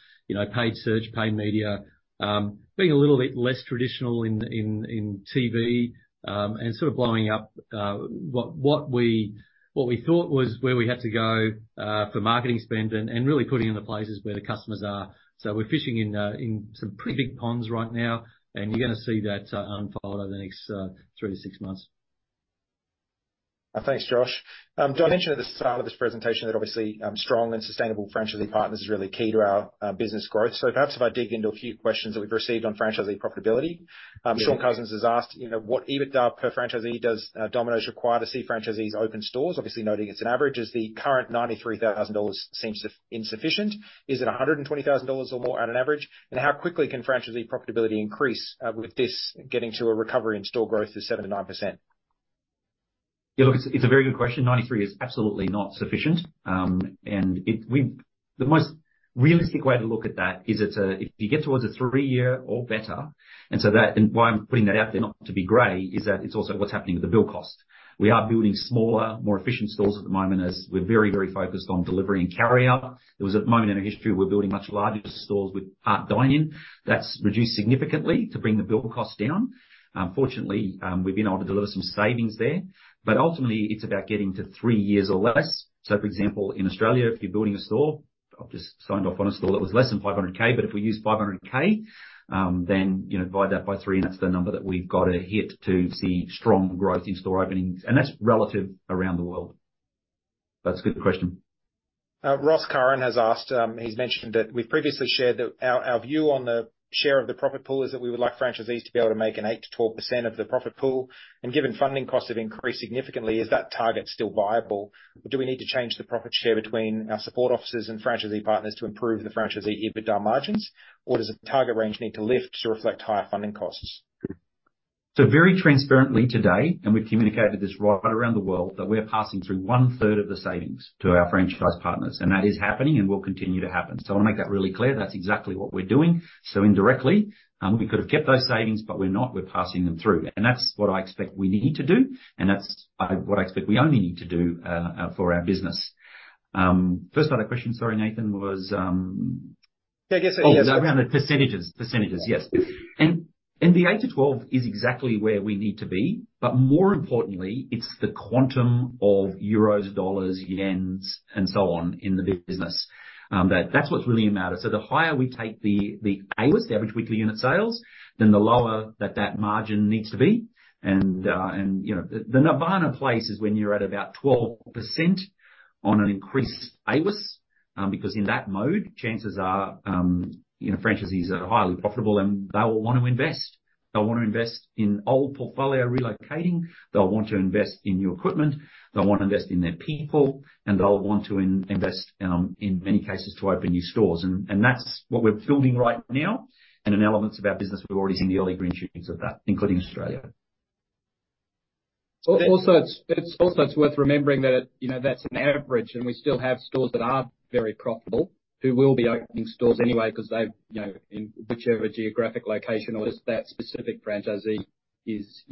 paid search, paid media, being a little bit less traditional in, in, in TV, and sort of blowing up what, what we, what we thought was where we had to go for marketing spend, and, and really putting in the places where the customers are. We're fishing in some pretty big ponds right now, and you're gonna see that unfold over the next 3 to 6 months. Thanks, Josh. Don, I mentioned at the start of this presentation that obviously, strong and sustainable franchisee partners is really key to our business growth. Perhaps if I dig into a few questions that we've received on franchisee profitability. Yeah. Shaun Cousins has asked: You know, "What EBITDA per franchisee does Domino's require to see franchisees open stores? Obviously, noting it's an average, as the current 93,000 dollars seems insufficient. Is it 120,000 dollars or more at an average? How quickly can franchisee profitability increase with this getting to a recovery in store growth to 7%-9%? Yeah, look, it's, it's a very good question. 93 is absolutely not sufficient. The most realistic way to look at that is it's a, if you get towards a 3-year or better, and so that, and why I'm putting that out there, not to be gray, is that it's also what's happening with the build cost. We are building smaller, more efficient stores at the moment, as we're very, very focused on delivery and carryout. There was a moment in our history where we're building much larger stores with, dine-in. That's reduced significantly to bring the build cost down. Fortunately, we've been able to deliver some savings there, but ultimately, it's about getting to 3 years or less. For example, in Australia, if you're building a store, I've just signed off on a store that was less than 500,000, but if we use 500,000, then divide that by 3, and that's the number that we've got to hit to see strong growth in store openings, and that's relative around the world. That's a good question. Ross Curran has asked, He's mentioned that we've previously shared that our, our view on the share of the profit pool is that we would like franchisees to be able to make an 8%-12% of the profit pool. Given funding costs have increased significantly, is that target still viable? Do we need to change the profit share between our support offices and franchisee partners to improve the franchisee EBITDA margins? Does the target range need to lift to reflect higher funding costs? Very transparently today, and we've communicated this right around the world, that we're passing through one-third of the savings to our franchise partners, and that is happening and will continue to happen. I want to make that really clear, that's exactly what we're doing. Indirectly, we could have kept those savings, but we're not. We're passing them through. That's what I expect we need to do, and that's what I expect we only need to do for our business. First other question, sorry, Nathan, was. Yeah, I guess. Around the percentages. Percentages, yes. The 8%-12% is exactly where we need to be, but more importantly, it's the quantum of euros, dollars, yens, and so on, in the business. That's what really matters. The higher we take the AWUS, average weekly unit sales, then the lower that margin needs to be. You know, the nirvana place is when you're at about 12% on an increased AWUS, because in that mode, chances are franchisees are highly profitable, and they will want to invest. They'll want to invest in old portfolio relocating, they'll want to invest in new equipment, they'll want to invest in their people, and they'll want to invest in many cases, to open new stores. That's what we're building right now, and in elements of our business, we're already seeing the early green shoots of that, including Australia. Also, it's also worth remembering that that's an average, and we still have stores that are very profitable, who will be opening stores anyway because they in whichever geographic location or just that specific franchisee is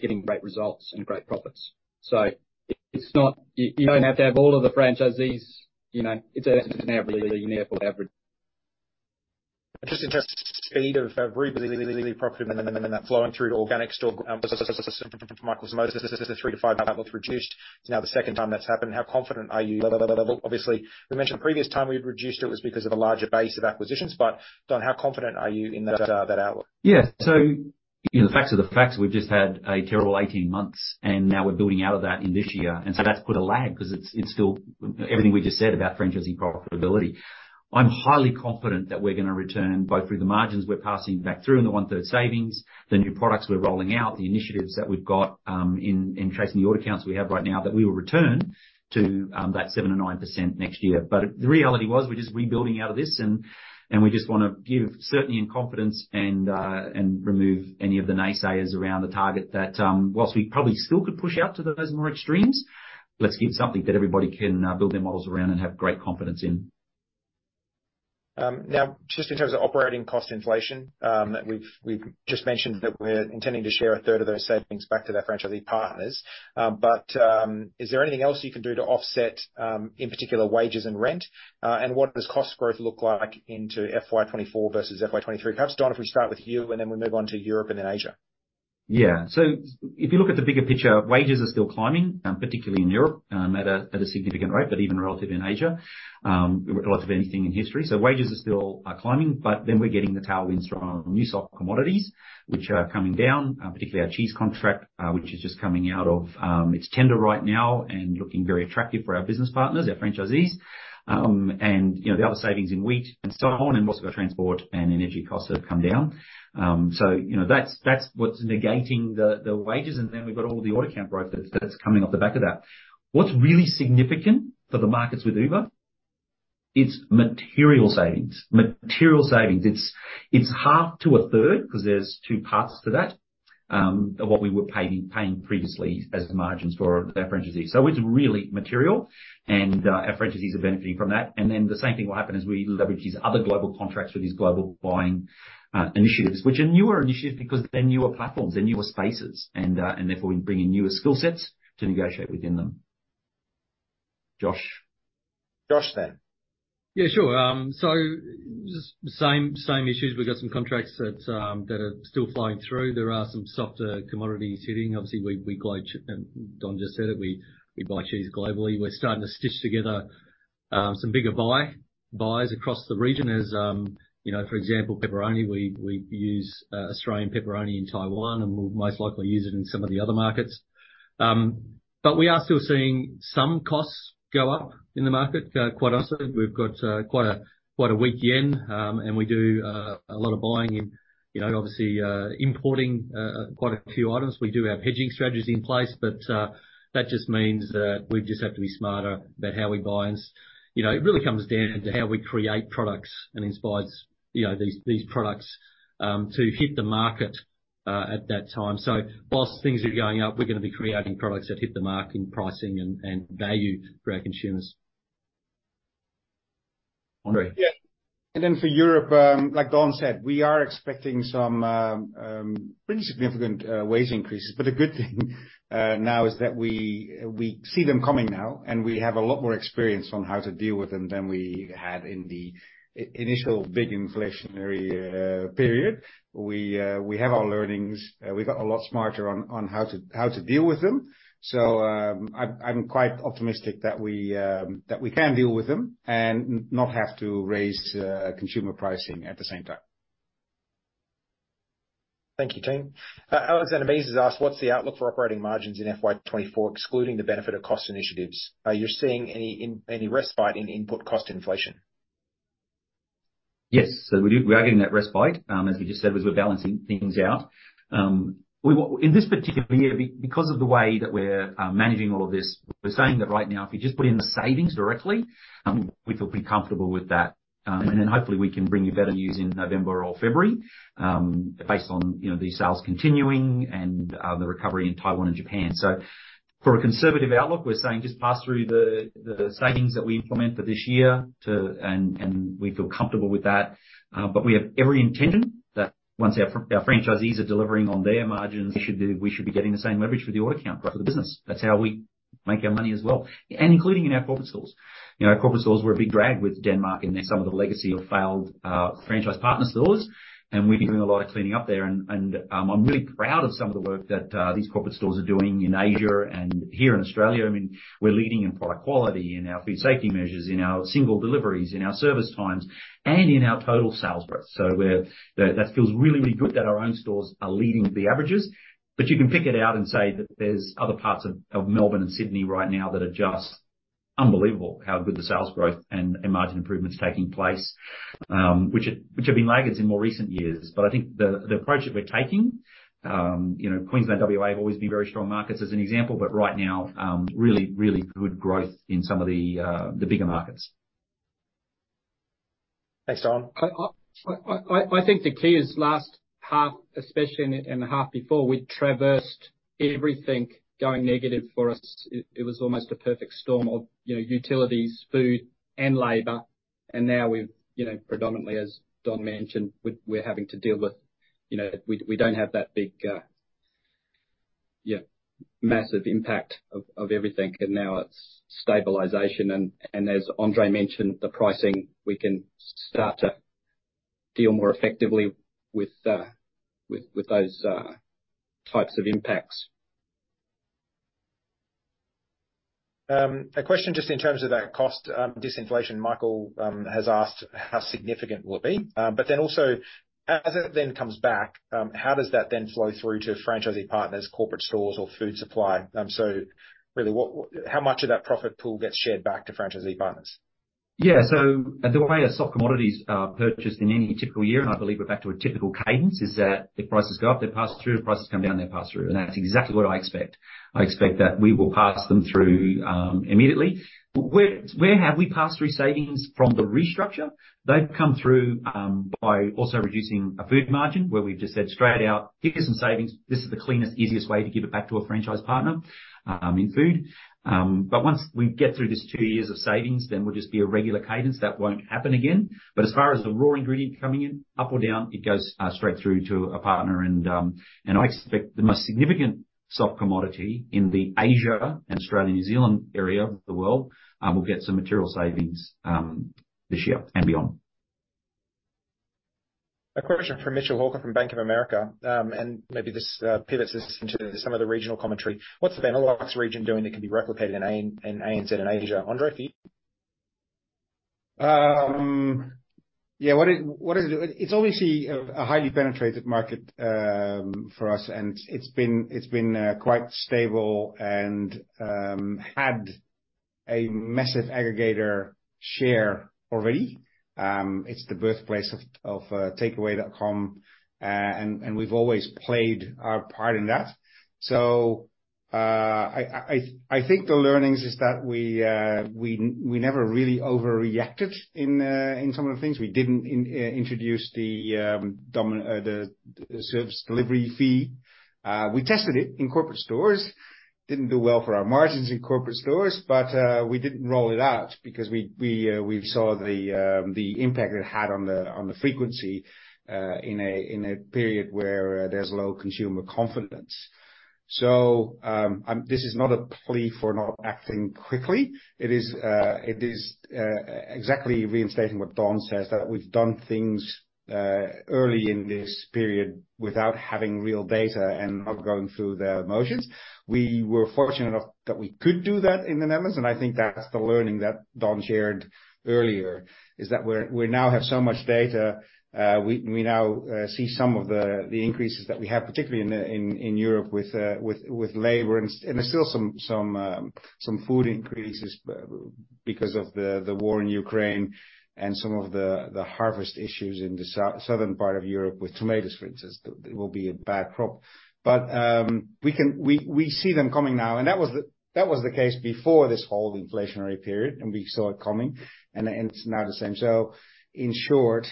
getting great results and great profits. It's not. You don't have to have all of the franchisees it's an average, you need for average. I'm just interested in the speed of profitability and that flowing through to organic store... 3-5 months reduced. It's now the second time that's happened. How confident are you? Obviously, we mentioned the previous time we've reduced it, was because of a larger base of acquisitions, but Don, how confident are you in that, that outlook? Yeah. You know, the facts are the facts. We've just had a terrible 18 months, now we're building out of that in this year. That's put a lag, because it's, it's still everything we just said about franchising profitability. I'm highly confident that we're gonna return, both through the margins we're passing back through in the one-third savings, the new products we're rolling out, the initiatives that we've got, in, in tracing the order counts we have right now, that we will return to that 7%-9% next year. The reality was, we're just rebuilding out of this, and, and we just wanna give certainty and confidence and, and remove any of the naysayers around the target that, whilst we probably still could push out to those more extremes, let's give something that everybody can, build their models around and have great confidence in. Now, just in terms of operating cost inflation, that we've, we've just mentioned, that we're intending to share a third of those savings back to their franchisee partners. Is there anything else you can do to offset, in particular, wages and rent? What does cost growth look like into FY24 versus FY23? Perhaps, Don, if we start with you, then we move on to Europe and then Asia. Yeah. If you look at the bigger picture, wages are still climbing, particularly in Europe, at a significant rate, but even relative in Asia, relative to anything in history. Wages are still climbing, we're getting the tailwinds from new soft commodities, which are coming down, particularly our cheese contract, which is just coming out of... It's tender right now and looking very attractive for our business partners, our franchisees. You know, the other savings in wheat and so on, and most of our transport and energy costs have come down. You know, that's what's negating the wages, we've got all the order count growth that's coming off the back of that. What's really significant for the markets with Uber, it's material savings. Material savings. It's, it's half to a third, because there's two parts to that, of what we were paying, paying previously as margins for our franchisees. It's really material, and our franchisees are benefiting from that. Then the same thing will happen as we leverage these other global contracts with these global buying initiatives, which are newer initiatives because they're newer platforms, they're newer spaces, and therefore we bring in newer skill sets to negotiate within them. Josh? Josh, then. Yeah, sure. Just same, same issues. We've got some contracts that are still flowing through. There are some softer commodities hitting. Obviously, we, Don just said it, we, we buy cheese globally. We're starting to stitch together, some bigger buy, buys across the region as for example, pepperoni, we, we use Australian pepperoni in Taiwan, and we'll most likely use it in some of the other markets. We are still seeing some costs go up in the market, quite honestly. We've got, quite a, quite a weak yen. We do, a lot of buying in obviously, importing, quite a few items. We do have hedging strategies in place, that just means that we just have to be smarter about how we buy. You know, it really comes down to how we create products and inspires these, these products to hit the market at that time. Whilst things are going up, we're going to be creating products that hit the market in pricing and, and value for our consumers. Andre? Yeah. Then for Europe, like Don said, we are expecting some pretty significant wage increases. The good thing now is that we, we see them coming now, and we have a lot more experience on how to deal with them than we had in the initial big inflationary period. We, we have our learnings. We've got a lot smarter on, on how to, how to deal with them. I'm, I'm quite optimistic that we that we can deal with them and not have to raise consumer pricing at the same time. Thank you, team. Alexander Mees has asked: What's the outlook for operating margins in FY24, excluding the benefit of cost initiatives? Are you seeing any respite in input cost inflation? Yes. We do. We are getting that respite. As we just said, we're balancing things out. We in this particular year, because of the way that we're managing all of this, we're saying that right now, if you just put in the savings directly, we will be comfortable with that. Hopefully, we can bring you better news in November or February, based on these sales continuing and the recovery in Taiwan and Japan. For a conservative outlook, we're saying just pass through the savings that we implemented this year to... And we feel comfortable with that. We have every intention that once our franchisees are delivering on their margins, we should be, we should be getting the same leverage for the order count growth of the business. That's how we make our money as well, and including in our corporate stores. You know, our corporate stores were a big drag with Denmark and then some of the legacy of failed franchise partner stores, and we've been doing a lot of cleaning up there. I'm really proud of some of the work that these corporate stores are doing in Asia and here in Australia. I mean, we're leading in product quality, in our food safety measures, in our single deliveries, in our service times, and in our total sales growth. That, that feels really, really good that our own stores are leading the averages. You can pick it out and say that there's other parts of, of Melbourne and Sydney right now that are just unbelievable how good the sales growth and, and margin improvements are taking place, which have, which have been laggards in more recent years. I think the, the approach that we're taking Queensland, WA have always been very strong markets, as an example, right now, really, really good growth in some of the bigger markets. Thanks, Don. I think the key is last half, especially in the half before, we traversed everything going negative for us. It was almost a perfect storm of utilities, food, and labor. Now we've predominantly, as Don mentioned, we're having to deal with we don't have that big, yeah, massive impact of everything, and now it's stabilization. As Andre mentioned, the pricing, we can start to deal more effectively with those types of impacts. A question just in terms of that cost, disinflation. Michael Simotas has asked: How significant will it be? Then also, as it then comes back, how does that then flow through to franchisee partners, corporate stores, or food supply? Really, what, how much of that profit pool gets shared back to franchisee partners? Yeah, the way our soft commodities are purchased in any typical year, and I believe we're back to a typical cadence, is that if prices go up, they pass through, if prices come down, they pass through. That's exactly what I expect. I expect that we will pass them through immediately. Where, where have we passed through savings from the restructure? They've come through by also reducing a food margin, where we've just said straight out, "Here's some savings. This is the cleanest, easiest way to give it back to a franchise partner in food." Once we get through this 2 years of savings, then we'll just be a regular cadence. That won't happen again. As far as the raw ingredient coming in, up or down, it goes straight through to a partner. I expect the most significant soft commodity in the Asia, Australia, New Zealand area of the world, will get some material savings this year and beyond. A question from Mitchell Hawker from Bank of America. Maybe this, pivots us into some of the regional commentary. What's the Benelux region doing that can be replicated in in ANZ and Asia? Andre, for you. Yeah, what is, what is it? It's obviously a, a highly penetrated market, for us, and it's been, it's been, quite stable and, had a massive aggregator share already. It's the birthplace of, of, Takeaway.com, and, and we've always played our part in that. I, I, I think the learnings is that we, we, we never really overreacted in, in some of the things. We didn't introduce the delivery service fee. We tested it in corporate stores. Didn't do well for our margins in corporate stores, we didn't roll it out because we, we, we saw the, the impact it had on the, on the frequency, in a, in a period where, there's low consumer confidence. This is not a plea for not acting quickly. It is, it is exactly reinstating what Don says, that we've done things early in this period without having real data and not going through the motions. We were fortunate enough that we could do that in the Netherlands, and I think that's the learning that Don shared earlier, is that we now have so much data, we, we now see some of the, the increases that we have, particularly in, in Europe with, with labor and there's still some, some food increases because of the war in Ukraine and some of the, the harvest issues in the south, southern part of Europe with tomatoes, for instance. There will be a bad crop. We can... We see them coming now. That was the case before this whole inflationary period. We saw it coming. It's now the same. In short,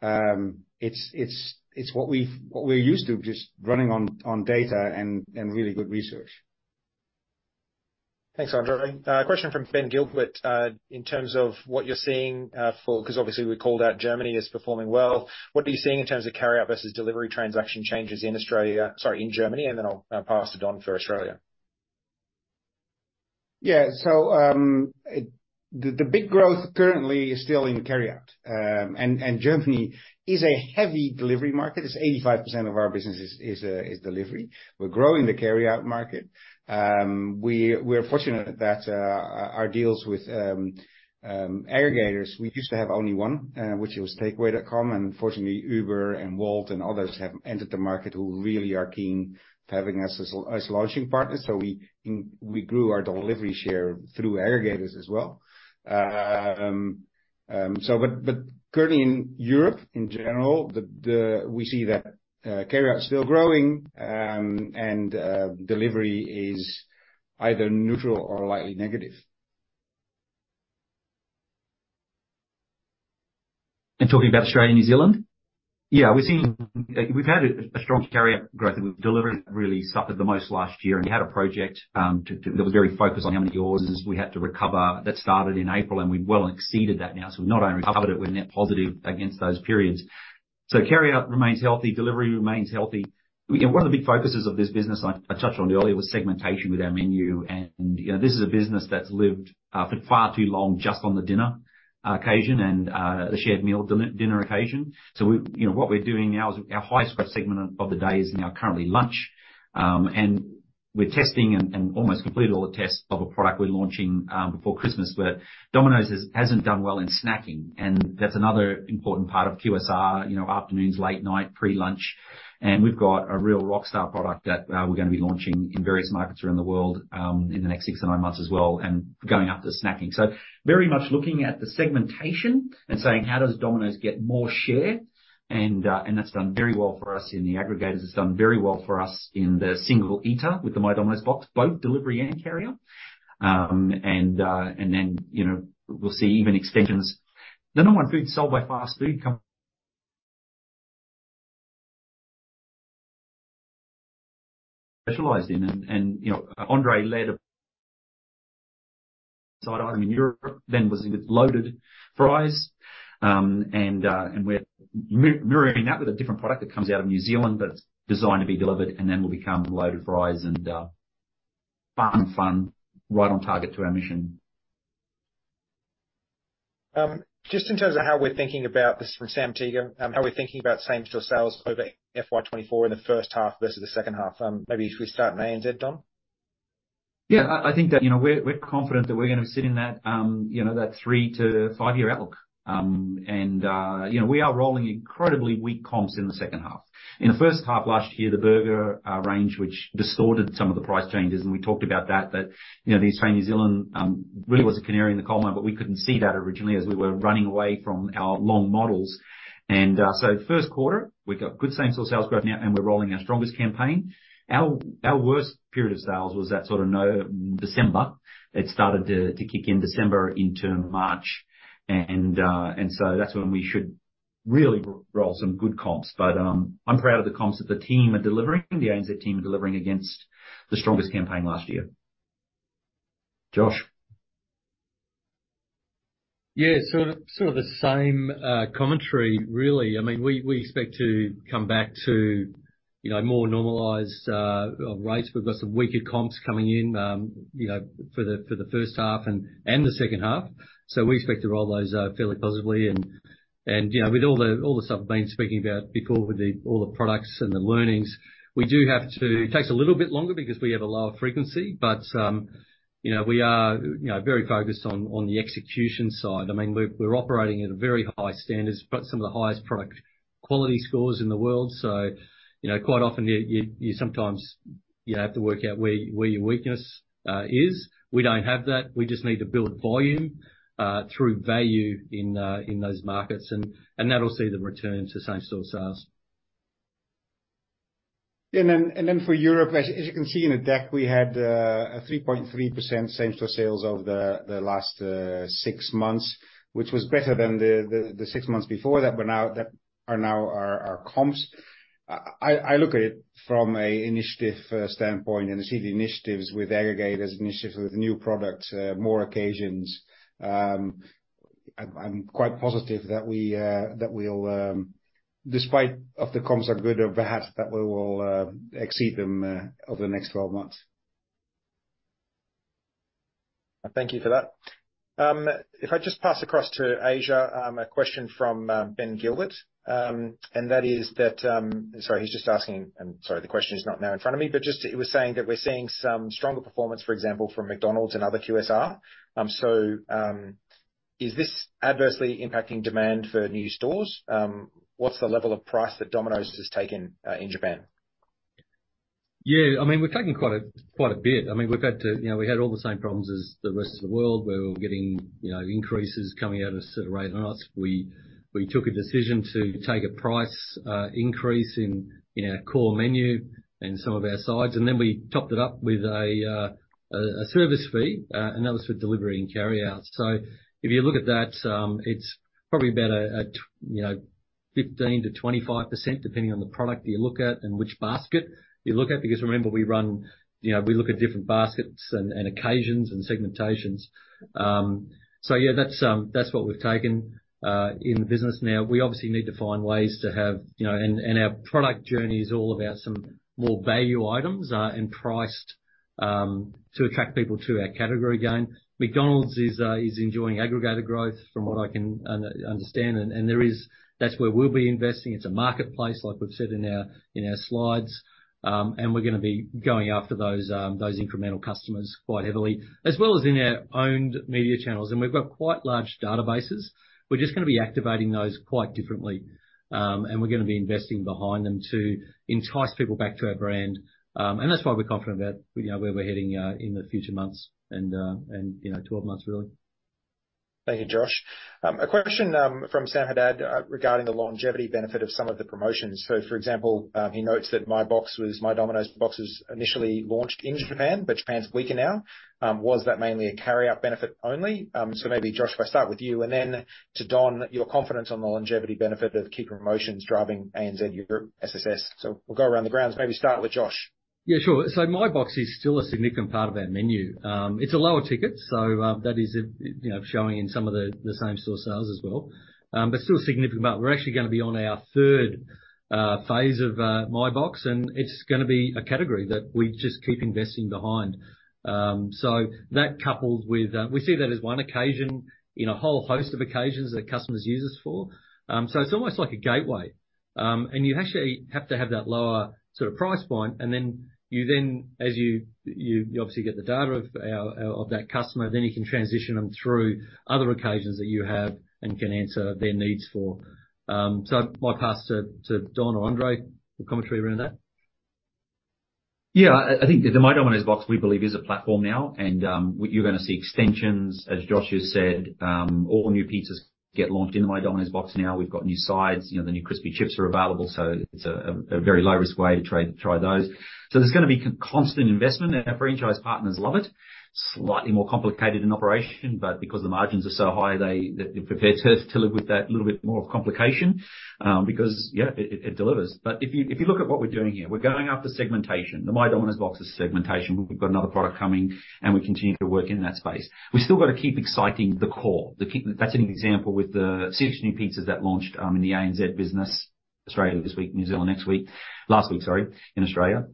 it's what we're used to, just running on data and really good research. Thanks, Andre. A question from Ben Gilbert. In terms of what you're seeing, for... Because obviously we called out Germany as performing well. What are you seeing in terms of carry out versus delivery transaction changes in Australia, sorry, in Germany, and then I'll pass to Don for Australia. Yeah. The, the big growth currently is still in carryout. Germany is a heavy delivery market. It's 85% of our business is, is, is delivery. We're growing the carryout market. We, we're fortunate that, our deals with, aggregators, we used to have only one, which was Takeaway.com. Fortunately, Uber and Wolt and others have entered the market who really are keen to having us as as launching partners. We, we grew our delivery share through aggregators as well. Currently in Europe in general, the, the, we see that, carryout is still growing. Delivery is either neutral or lightly negative. Talking about Australia, New Zealand? Yeah, we're seeing. We've had a, a strong carryout growth, and delivery really suffered the most last year. We had a project, we were very focused on how many orders we had to recover. That started in April, and we've well exceeded that now. We've not only recovered it, we're net positive against those periods. Carryout remains healthy, delivery remains healthy. Again, one of the big focuses of this business, I, I touched on earlier, was segmentation with our menu, and this is a business that's lived for far too long, just on the dinner occasion and the shared meal dinner occasion. You know, what we're doing now is our highest segment of the day is now currently lunch. We're testing and, and almost completed all the tests of a product we're launching before Christmas, where Domino's has, hasn't done well in snacking, and that's another important part of QSR afternoons, late night, pre-lunch. We've got a real rockstar product that we're gonna be launching in various markets around the world in the next six to nine months as well, and going after the snacking. Very much looking at the segmentation and saying: How does Domino's get more share? That's done very well for us in the aggregators. It's done very well for us in the single eater, with the My Domino's Box, both delivery and carryout. then we'll see even extensions. The number one food sold by fast food company specialized in... You know, Andre led a side item in Europe, then was with Loaded Fries. We're mirroring that with a different product that comes out of New Zealand, but it's designed to be delivered and then will become Loaded Fries and fun, fun, right on target to our mission. Just in terms of how we're thinking about, this is from Sam Teeger. How are we thinking about same-store sales over FY24 in the first half versus the second half? Maybe if we start in ANZ, Don.... Yeah, I, I think that we're, we're confident that we're gonna sit in that that three to five-year outlook. You know, we are rolling incredibly weak comps in the second half. In the first half last year, the Burger Range, which distorted some of the price changes, and we talked about that, that the Australian, New Zealand, really was a canary in the coal mine, but we couldn't see that originally as we were running away from our long models. First quarter, we've got good same-store sales growth now, and we're rolling our strongest campaign. Our, our worst period of sales was that sort of December. It started to, to kick in December into March. That's when we should really roll some good comps. I'm proud of the comps that the team are delivering, the ANZ team are delivering against the strongest campaign last year. Josh? Yeah, sort of, sort of the same commentary, really. I mean, we, we expect to come back to more normalized rates. We've got some weaker comps coming in for the, for the first half and, and the second half. We expect to roll those out fairly positively. You know, with all the, all the stuff I've been speaking about before, with the, all the products and the learnings, we do have to. It takes a little bit longer because we have a lower frequency, but we are very focused on, on the execution side. I mean, we're, we're operating at a very high standards, but some of the highest product quality scores in the world. You know, quite often, you, you, you sometimes, you have to work out where, where your weakness is. We don't have that. We just need to build volume, through value in, in those markets, and that'll see the return to same-store sales. Yeah, and then, and then for Europe, as you can see in the deck, we had a 3.3% same-store sales over the last six months, which was better than the six months before that. Now that are now our comps. I look at it from an initiative standpoint, and I see the initiatives with aggregators, initiatives with new products, more occasions. I'm quite positive that we that we'll despite of the comps are good or bad, that we will exceed them over the next 12 months. Thank you for that. If I just pass across to Asia, a question from Ben Gilbert, and that is that... Sorry, he's just asking, sorry, the question is not now in front of me, but just he was saying that we're seeing some stronger performance, for example, from McDonald's and other QSR. Is this adversely impacting demand for new stores? What's the level of price that Domino's has taken in Japan? Yeah, I mean, we've taken quite a, quite a bit. I mean, we've had to we had all the same problems as the rest of the world, where we were getting increases coming out of sort of right on us. We, we took a decision to take a price increase in our core menu and some of our sides, and then we topped it up with a service fee, and that was for delivery and carryout. If you look at that, it's probably about a 15%-25%, depending on the product you look at and which basket you look at, because remember, we run we look at different baskets and occasions and segmentations. Yeah, that's, that's what we've taken in the business. Now, we obviously need to find ways to have, you know. Our product journey is all about some more value items, and priced to attract people to our category again. McDonald's is enjoying aggregator growth from what I can understand, and there is. That's where we'll be investing. It's a marketplace, like we've said in our, in our slides. We're gonna be going after those, those incremental customers quite heavily, as well as in our owned media channels. We've got quite large databases. We're just gonna be activating those quite differently, and we're gonna be investing behind them to entice people back to our brand. That's why we're confident about where we're heading in the future months and, and 12 months, really. Thank you, Josh. A question from Sam Haddad regarding the longevity benefit of some of the promotions. For example, he notes that My Domino's Box was initially launched in Japan, but Japan's weaker now. Was that mainly a carry-out benefit only? Maybe Josh, if I start with you, and then to Don, your confidence on the longevity benefit of keeping promotions driving ANZ Europe SSS. We'll go around the grounds. Maybe start with Josh. Yeah, sure. My Box is still a significant part of our menu. It's a lower ticket, that is showing in some of the, the same-store sales as well, but still a significant part. We're actually gonna be on our 3rd phase of My Box, and it's gonna be a category that we just keep investing behind. That coupled with... We see that as one occasion in a whole host of occasions that customers use us for. It's almost like a gateway. You actually have to have that lower sort of price point, and then you then, as you, you, you obviously get the data of that customer, then you can transition them through other occasions that you have and can answer their needs for. I might pass to, to Don or Andre for commentary around that. Yeah, I, I think the My Domino's Box, we believe, is a platform now, and you're gonna see extensions, as Josh has said. All new pizzas get launched in the My Domino's Box now. We've got new sides. You know, the new crispy chips are available, so it's a very low-risk way to try those. There's gonna be constant investment, and our franchise partners love it. Slightly more complicated in operation, but because the margins are so high, they're prepared to live with that little bit more of complication, because, yeah, it, it, it delivers. If you look at what we're doing here, we're going after segmentation. The My Domino's Box is segmentation. We've got another product coming, and we continue to work in that space. We've still got to keep exciting the core. That's an example with the six new pizzas that launched in the ANZ business. Australia this week, New Zealand next week. Last week, sorry, in Australia.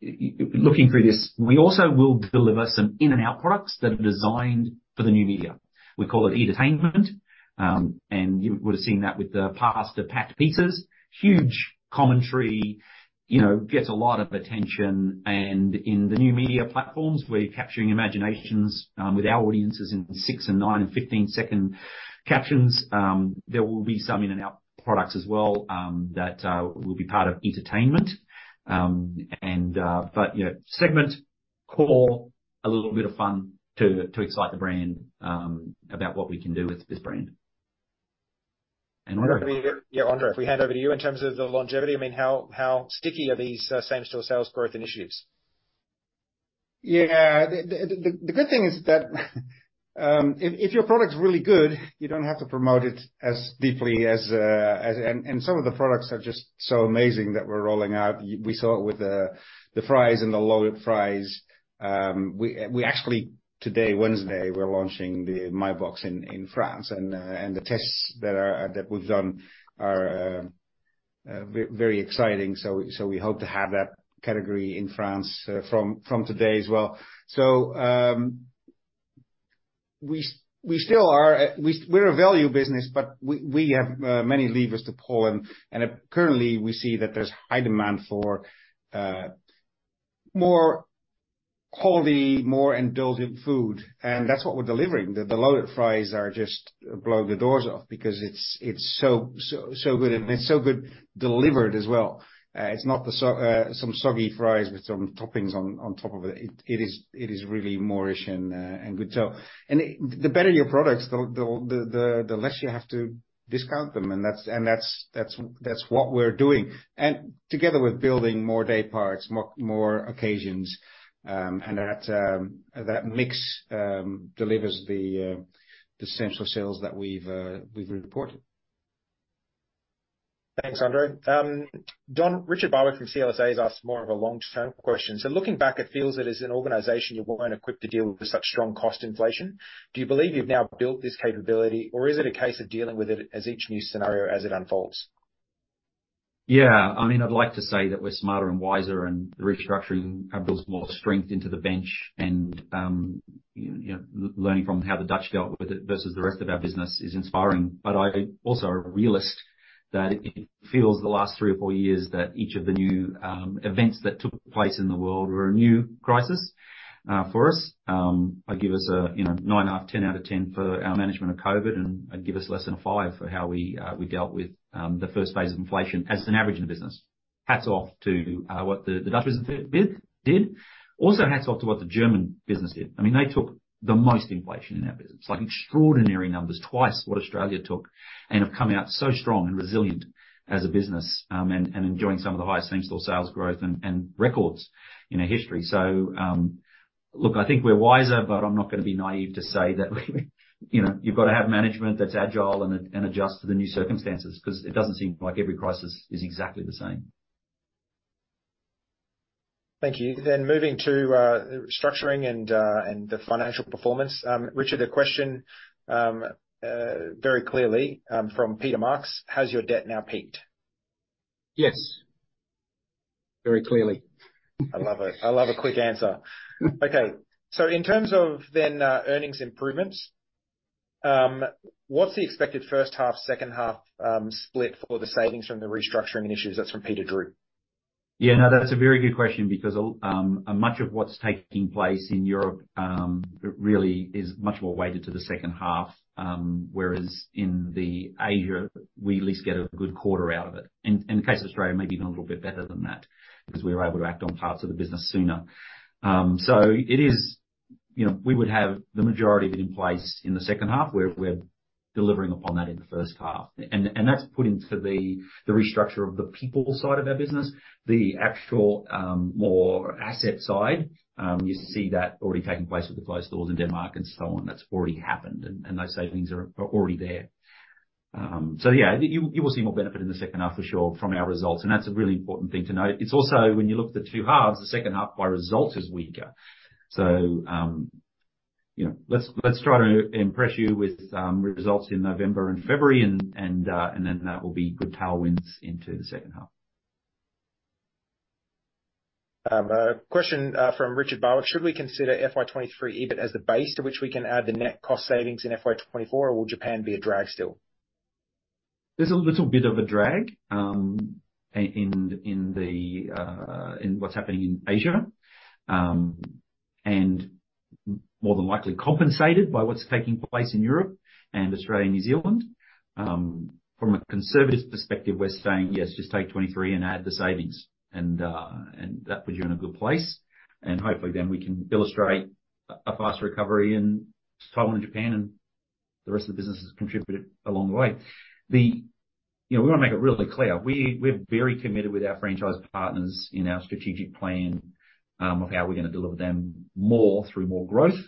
Looking through this, we also will deliver some in-and-out products that are designed for the new media. We call it entertainment, and you would have seen that with the pasta-packed pizzas. Huge commentary gets a lot of attention. In the new media platforms, we're capturing imaginations with our audiences in six and nine and 15-second captions. There will be some in-and-out products as well that will be part of entertainment. You know, segment core, a little bit of fun to excite the brand about what we can do with this brand. Andre? Yeah, Andre, if we hand over to you in terms of the longevity, I mean, how, how sticky are these, same-store sales growth initiatives? Yeah. The, the, the good thing is that if, if your product's really good, you don't have to promote it as deeply as. Some of the products are just so amazing that we're rolling out. We saw it with the, the fries and the Loaded Fries. We actually today, Wednesday, we're launching the MyBox in, in France. The tests that are that we've done are very exciting. We hope to have that category in France from today as well. We still are. We're a value business, but we, we have many levers to pull. Currently, we see that there's high demand for more quality, more indulgent food, and that's what we're delivering. The Loaded Fries are just blowing the doors off because it's so, so, so good, and it's so good delivered as well. It's not the so, some soggy fries with some toppings on top of it. It is, it is really moreish and good. The better your products, the, the, the, the less you have to discount them, and that's, that's, that's, that's what we're doing. Together with building more day parts, more, more occasions, and that, that mix delivers the central sales that we've reported. Thanks, Andre. Don, Richard Barwick from CLSA has asked more of a long-term question: looking back, it feels that as an organization, you were well and equipped to deal with such strong cost inflation. Do you believe you've now built this capability, or is it a case of dealing with it as each new scenario as it unfolds? Yeah. I mean, I'd like to say that we're smarter and wiser, and the restructuring builds more strength into the bench. You know, learning from how the Dutch dealt with it versus the rest of our business is inspiring. I also are a realist, that it feels the last 3 or 4 years that each of the new events that took place in the world were a new crisis for us. I'd give us a 9 out of 10, 10 out of 10 for our management of COVID, and I'd give us less than a 5 for how we dealt with the first phase of inflation as an average in the business. Hats off to what the Dutch business did, did. Also, hats off to what the German business did. I mean, they took the most inflation in our business, like extraordinary numbers, twice what Australia took, have come out so strong and resilient as a business, and, and enjoying some of the highest same-store sales growth and, and records in our history. Look, I think we're wiser, but I'm not going to be naive to say that we. You know, you've got to have management that's agile and, and adjust to the new circumstances, because it doesn't seem like every crisis is exactly the same. Thank you. Moving to restructuring and the financial performance. Richard, the question, very clearly, from Peter Marks: Has your debt now peaked? Yes. Very clearly. I love it. I love a quick answer. Okay. In terms of then, earnings improvements, what's the expected first half, second half, split for the savings from the restructuring initiatives? That's from Peter Drew. Yeah. No, that's a very good question because a much of what's taking place in Europe really is much more weighted to the second half. Whereas in Asia, we at least get a good quarter out of it. In the case of Australia, maybe even a little bit better than that, because we were able to act on parts of the business sooner. It is. You know, we would have the majority of it in place in the second half, where we're delivering upon that in the first half. That's put into the restructure of the people side of our business. The actual more asset side, you see that already taking place with the closed stores in Denmark and so on. That's already happened, those savings are already there. Yeah, you, you will see more benefit in the second half for sure from our results, and that's a really important thing to note. It's also, when you look at the two halves, the second half by results is weaker. You know, let's, let's try to impress you with results in November and February and, and, and then that will be good tailwinds into the second half. A question from Richard Barwick: Should we consider FY23 EBIT as the base to which we can add the net cost savings in FY24, or will Japan be a drag still? There's a little bit of a drag, in, in the, in what's happening in Asia. More than likely compensated by what's taking place in Europe and Australia, New Zealand. From a conservative perspective, we're saying, "Yes, just take 23 and add the savings," and that puts you in a good place. Hopefully then we can illustrate a, a faster recovery in Taiwan and Japan, and the rest of the business has contributed along the way. You know, we want to make it really clear, we're very committed with our franchise partners in our strategic plan, of how we're going to deliver them more through more growth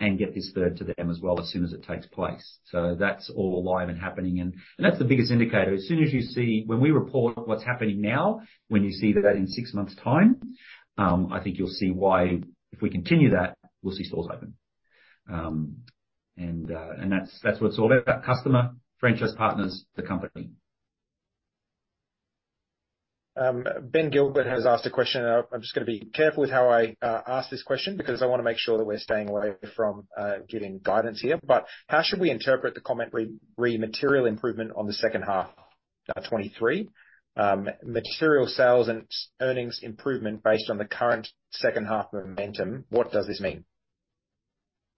and get this third to them as well, as soon as it takes place. That's all alive and happening. And that's the biggest indicator. When we report what's happening now, when you see that in 6 months time, I think you'll see why, if we continue that, we'll see stores open. That's, that's what it's all about: customer, franchise partners, the company. ... Ben Gilbert has asked a question, I'm just gonna be careful with how I ask this question, because I want to make sure that we're staying away from giving guidance here. How should we interpret the comment re material improvement on the second half of 2023? Material sales and earnings improvement based on the current second half momentum, what does this mean?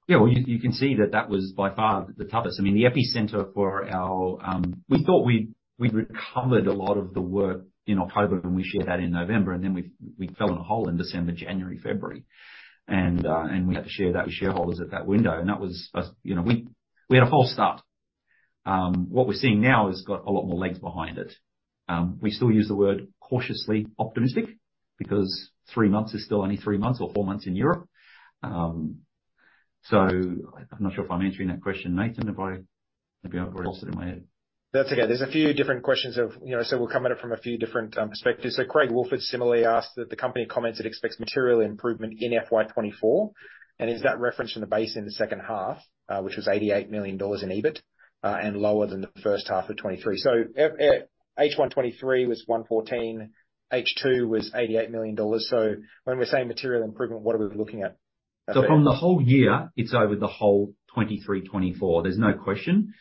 Yeah, well, you, you can see that that was by far the toughest. I mean, the epicenter for our. We thought we'd, we'd recovered a lot of the work in October, and we shared that in November, and then we, we fell in a hole in December, January, February. We had to share that with shareholders at that window, and that was a we, we had a false start. What we're seeing now has got a lot more legs behind it. We still use the word cautiously optimistic, because 3 months is still only 3 months or 4 months in Europe. I'm not sure if I'm answering that question, Nathan, have I? Maybe I've got it upside in my head. That's okay. There's a few different questions of we'll come at it from a few different perspectives. Craig Woolford similarly asked that the company comments it expects material improvement in FY24, is that referenced from the base in the second half, which was 88 million dollars in EBIT, and lower than the first half of 2023. H1 2023 was 114 million, H2 was AUD 88 million. When we're saying material improvement, what are we looking at? From the whole year, it's over the whole 2023, 2024. There's no question,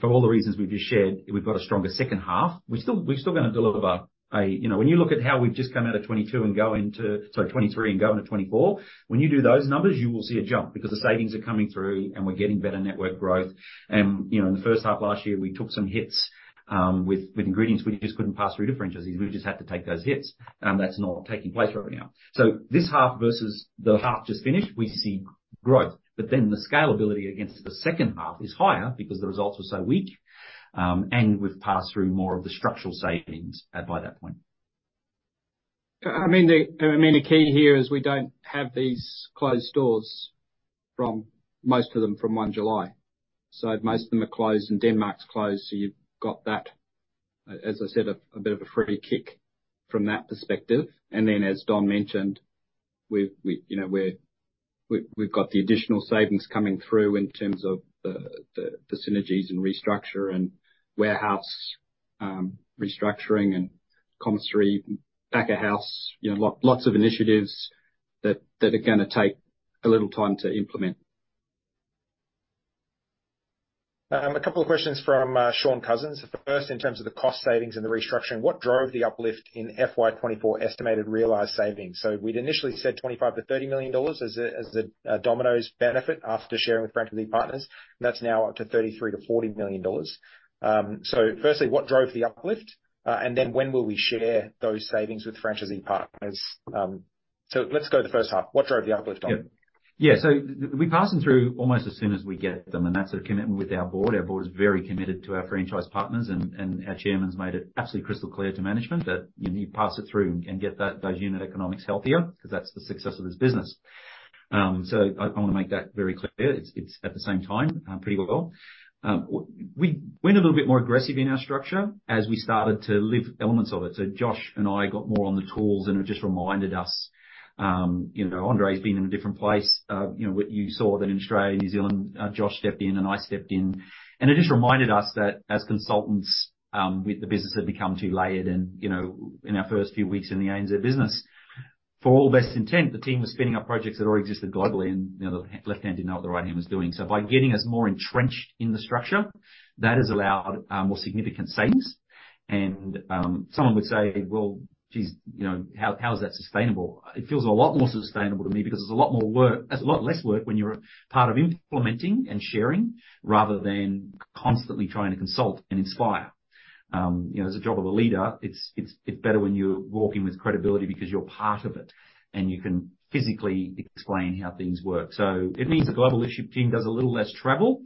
for all the reasons we've just shared, we've got a stronger second half. We're still gonna deliver a. You know, when you look at how we've just come out of 2022 and go into, sorry, 2023 and go into 2024, when you do those numbers, you will see a jump. The savings are coming through, and we're getting better network growth. You know, in the first half last year, we took some hits with ingredients we just couldn't pass through to franchisees. We just had to take those hits, and that's not taking place right now. This half versus the half just finished, we see growth, the scalability against the second half is higher because the results were so weak. we've passed through more of the structural savings, by that point. I mean, the key here is we don't have these closed stores from most of them from 1 July. Most of them are closed, and Denmark's closed, so you've got that, as I said, a bit of a free kick from that perspective. Then, as Don mentioned, we've got the additional savings coming through in terms of the synergies and restructure and warehouse restructuring and commissary, back of house lots of initiatives that are gonna take a little time to implement. A couple of questions from Shaun Cousins. In terms of the cost savings and the restructuring, what drove the uplift in FY24 estimated realized savings? We'd initially said 25 million-30 million dollars as a Domino's benefit after sharing with franchisee partners, and that's now up to 33 million-40 million dollars. Firstly, what drove the uplift? When will we share those savings with franchisee partners? Let's go to the first half. What drove the uplift, Don? Yeah. We pass them through almost as soon as we get them. That's a commitment with our board. Our board is very committed to our franchise partners, and our chairman's made it absolutely crystal clear to management that you need to pass it through and get that, those unit economics healthier, because that's the success of this business. I want to make that very clear. It's at the same time, pretty well. We went a little bit more aggressive in our structure as we started to lift elements of it. Josh and I got more on the tools, and it just reminded us Andre's been in a different place. You know, you saw that in Australia and New Zealand, Josh stepped in, and I stepped in. It just reminded us that as consultants, with the business had become too layered and in our first few weeks in the ANZ business, for all best intent, the team was spinning up projects that already existed globally, and the left hand didn't know what the right hand was doing. By getting us more entrenched in the structure, that has allowed more significant savings. Someone would say, "Well, geez how, how is that sustainable?" It feels a lot more sustainable to me because there's a lot less work when you're part of implementing and sharing, rather than constantly trying to consult and inspire. You know, as a job of a leader, it's, it's, it's better when you walk in with credibility because you're part of it, and you can physically explain how things work. It means the global issue team does a little less travel,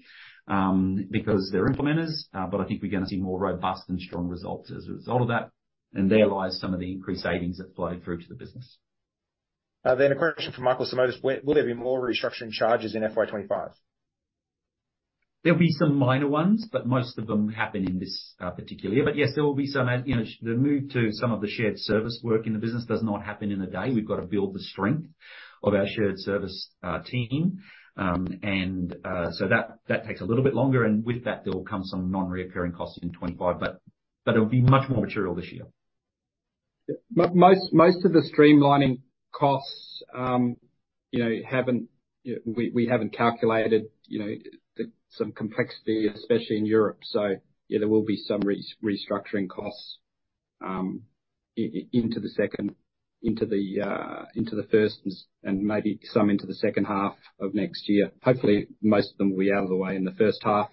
because they're implementers, but I think we're going to see more robust and strong results as a result of that, and there lies some of the increased savings that flow through to the business. A question from Michael Simotas: Will there be more restructuring charges in FY25? There'll be some minor ones, but most of them happen in this particular year. Yes, there will be some the move to some of the shared service work in the business does not happen in a day. We've got to build the strength of our shared service team. So that, that takes a little bit longer, and with that, there will come some non-recurring costs in 2025, but, but it'll be much more material this year. Most, most of the streamlining costs haven't. We, we haven't calculated the some complexity, especially in Europe. Yeah, there will be some re- restructuring costs into the second, into the first and, and maybe some into the second half of next year. Hopefully, most of them will be out of the way in the first half.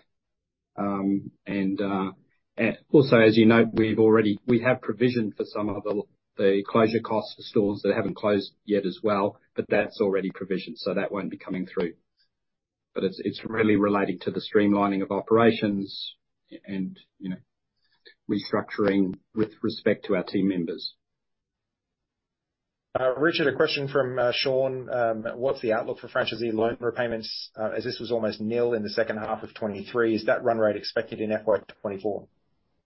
Also, as you know, we've already we have provisioned for some of the, the closure costs for stores that haven't closed yet as well, but that's already provisioned, so that won't be coming through. It's, it's really relating to the streamlining of operations and restructuring with respect to our team members. Richard, a question from Shaun: What's the outlook for franchisee loan repayments, as this was almost nil in the second half of 2023? Is that run rate expected in FY24?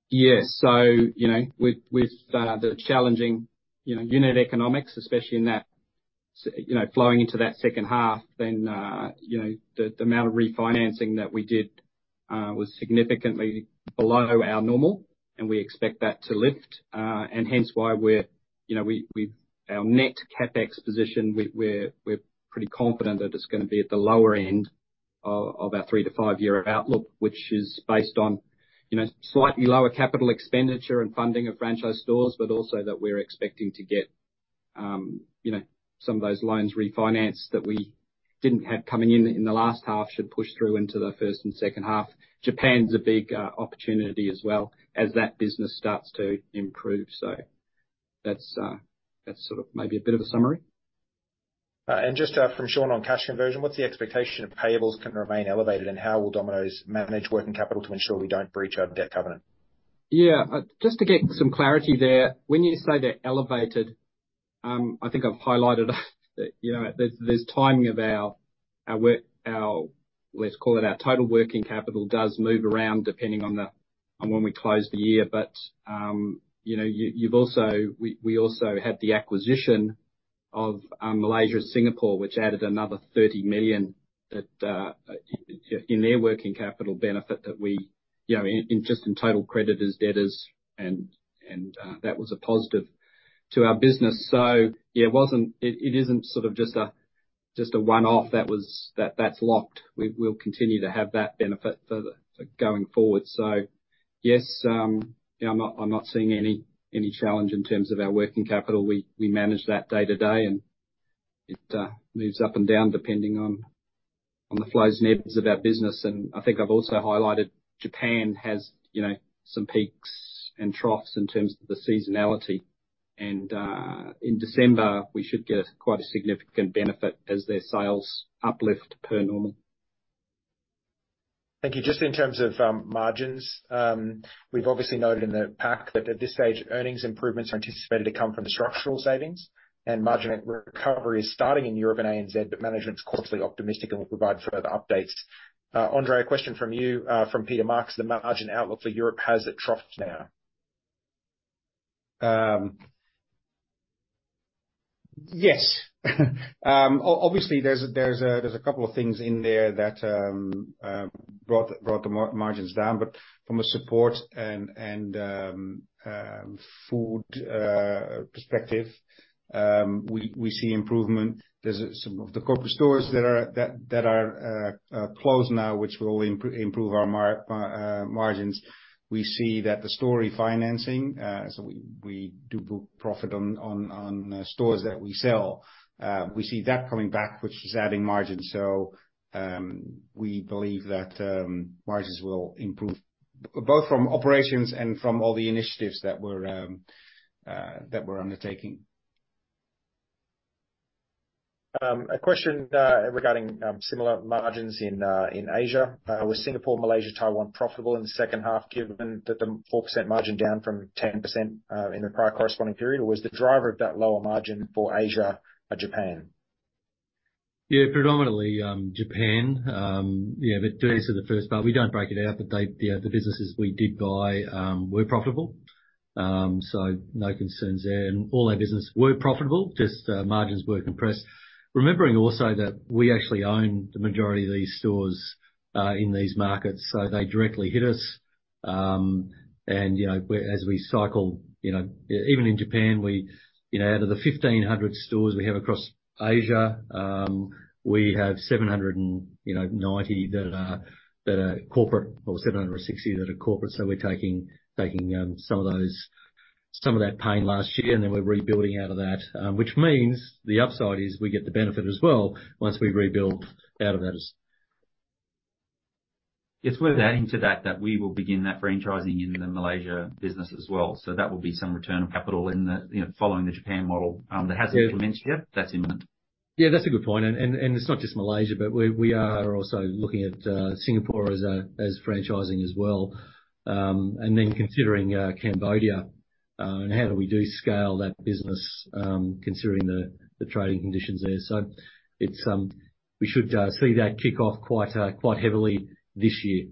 Yes. you know, with, with, the challenging unit economics, especially in that-... you know, flowing into that second half, then the amount of refinancing that we did, was significantly below our normal, and we expect that to lift. And hence why we're our net CapEx position, we're pretty confident that it's gonna be at the lower end of our three to five-year outlook, which is based on slightly lower capital expenditure and funding of franchise stores, but also that we're expecting to get some of those loans refinanced that we didn't have coming in the last half, should push through into the first and second half. Japan's a big opportunity as well, as that business starts to improve. That's, that's sort of maybe a bit of a summary. Just from Shaun on cash conversion: What's the expectation if payables can remain elevated, and how will Domino's manage working capital to ensure we don't breach our debt covenant? Yeah. Just to get some clarity there, when you say they're elevated, I think I've highlighted that there's, there's timing of our, our work, our Let's call it, our total working capital does move around, depending on the, on when we close the year. You know, you, you've also we also had the acquisition of Malaysia and Singapore, which added another 30 million, that in their working capital benefit that we in just in total creditors, debtors, and, and that was a positive to our business. Yeah, it isn't sort of just a one-off that was, that, that's locked. We'll continue to have that benefit for going forward. Yes, yeah, I'm not, I'm not seeing any, any challenge in terms of our working capital. We manage that day to day, and it moves up and down, depending on the flows and ebbs of our business. I think I've also highlighted, Japan has some peaks and troughs in terms of the seasonality. In December, we should get quite a significant benefit as their sales uplift per normal. Thank you. Just in terms of margins, we've obviously noted in the pack that at this stage, earnings improvements are anticipated to come from the structural savings, and margin recovery is starting in Europe and ANZ, but management's cautiously optimistic, and will provide further updates. Andre, a question from you, from Peter Marks: "The margin outlook for Europe, has it troughed now? Yes. Obviously, there's a, there's a, there's a couple of things in there that brought, brought the margins down, from a support and, and food perspective, we, we see improvement. There's some of the corporate stores that are, that, that are closed now, which will improve our margins. We see that the store refinancing, we, we do book profit on, on, on stores that we sell, we see that coming back, which is adding margin. We believe that margins will improve, both from operations and from all the initiatives that we're that we're undertaking. A question regarding similar margins in Asia. "Was Singapore, Malaysia, Taiwan profitable in the second half, given that the 4% margin down from 10% in the prior corresponding period? Or was the driver of that lower margin for Asia, Japan? Yeah, predominantly, Japan. Yeah, but to answer the first part, we don't break it out, but they, the, the businesses we did buy, were profitable. So no concerns there. All our business were profitable, just, margins were compressed. Remembering also, that we actually own the majority of these stores, in these markets, so they directly hit us. You know, as we cycle even in Japan, we out of the 1,500 stores we have across Asia, we have 790, that are, that are corporate, or 760 that are corporate. So we're taking, taking, some of those, some of that pain last year, and then we're rebuilding out of that. Which means, the upside is we get the benefit as well, once we've rebuilt out of that. It's worth adding to that, that we will begin that franchising in the Malaysia business as well. That will be some return of capital in the following the Japan model, that hasn't. Yeah. implemented yet, that's imminent. Yeah, that's a good point. It's not just Malaysia, but we, we are also looking at Singapore as a, as franchising as well. Then considering Cambodia and how do we de-scale that business, considering the trading conditions there. It's... We should see that kick off quite heavily this year.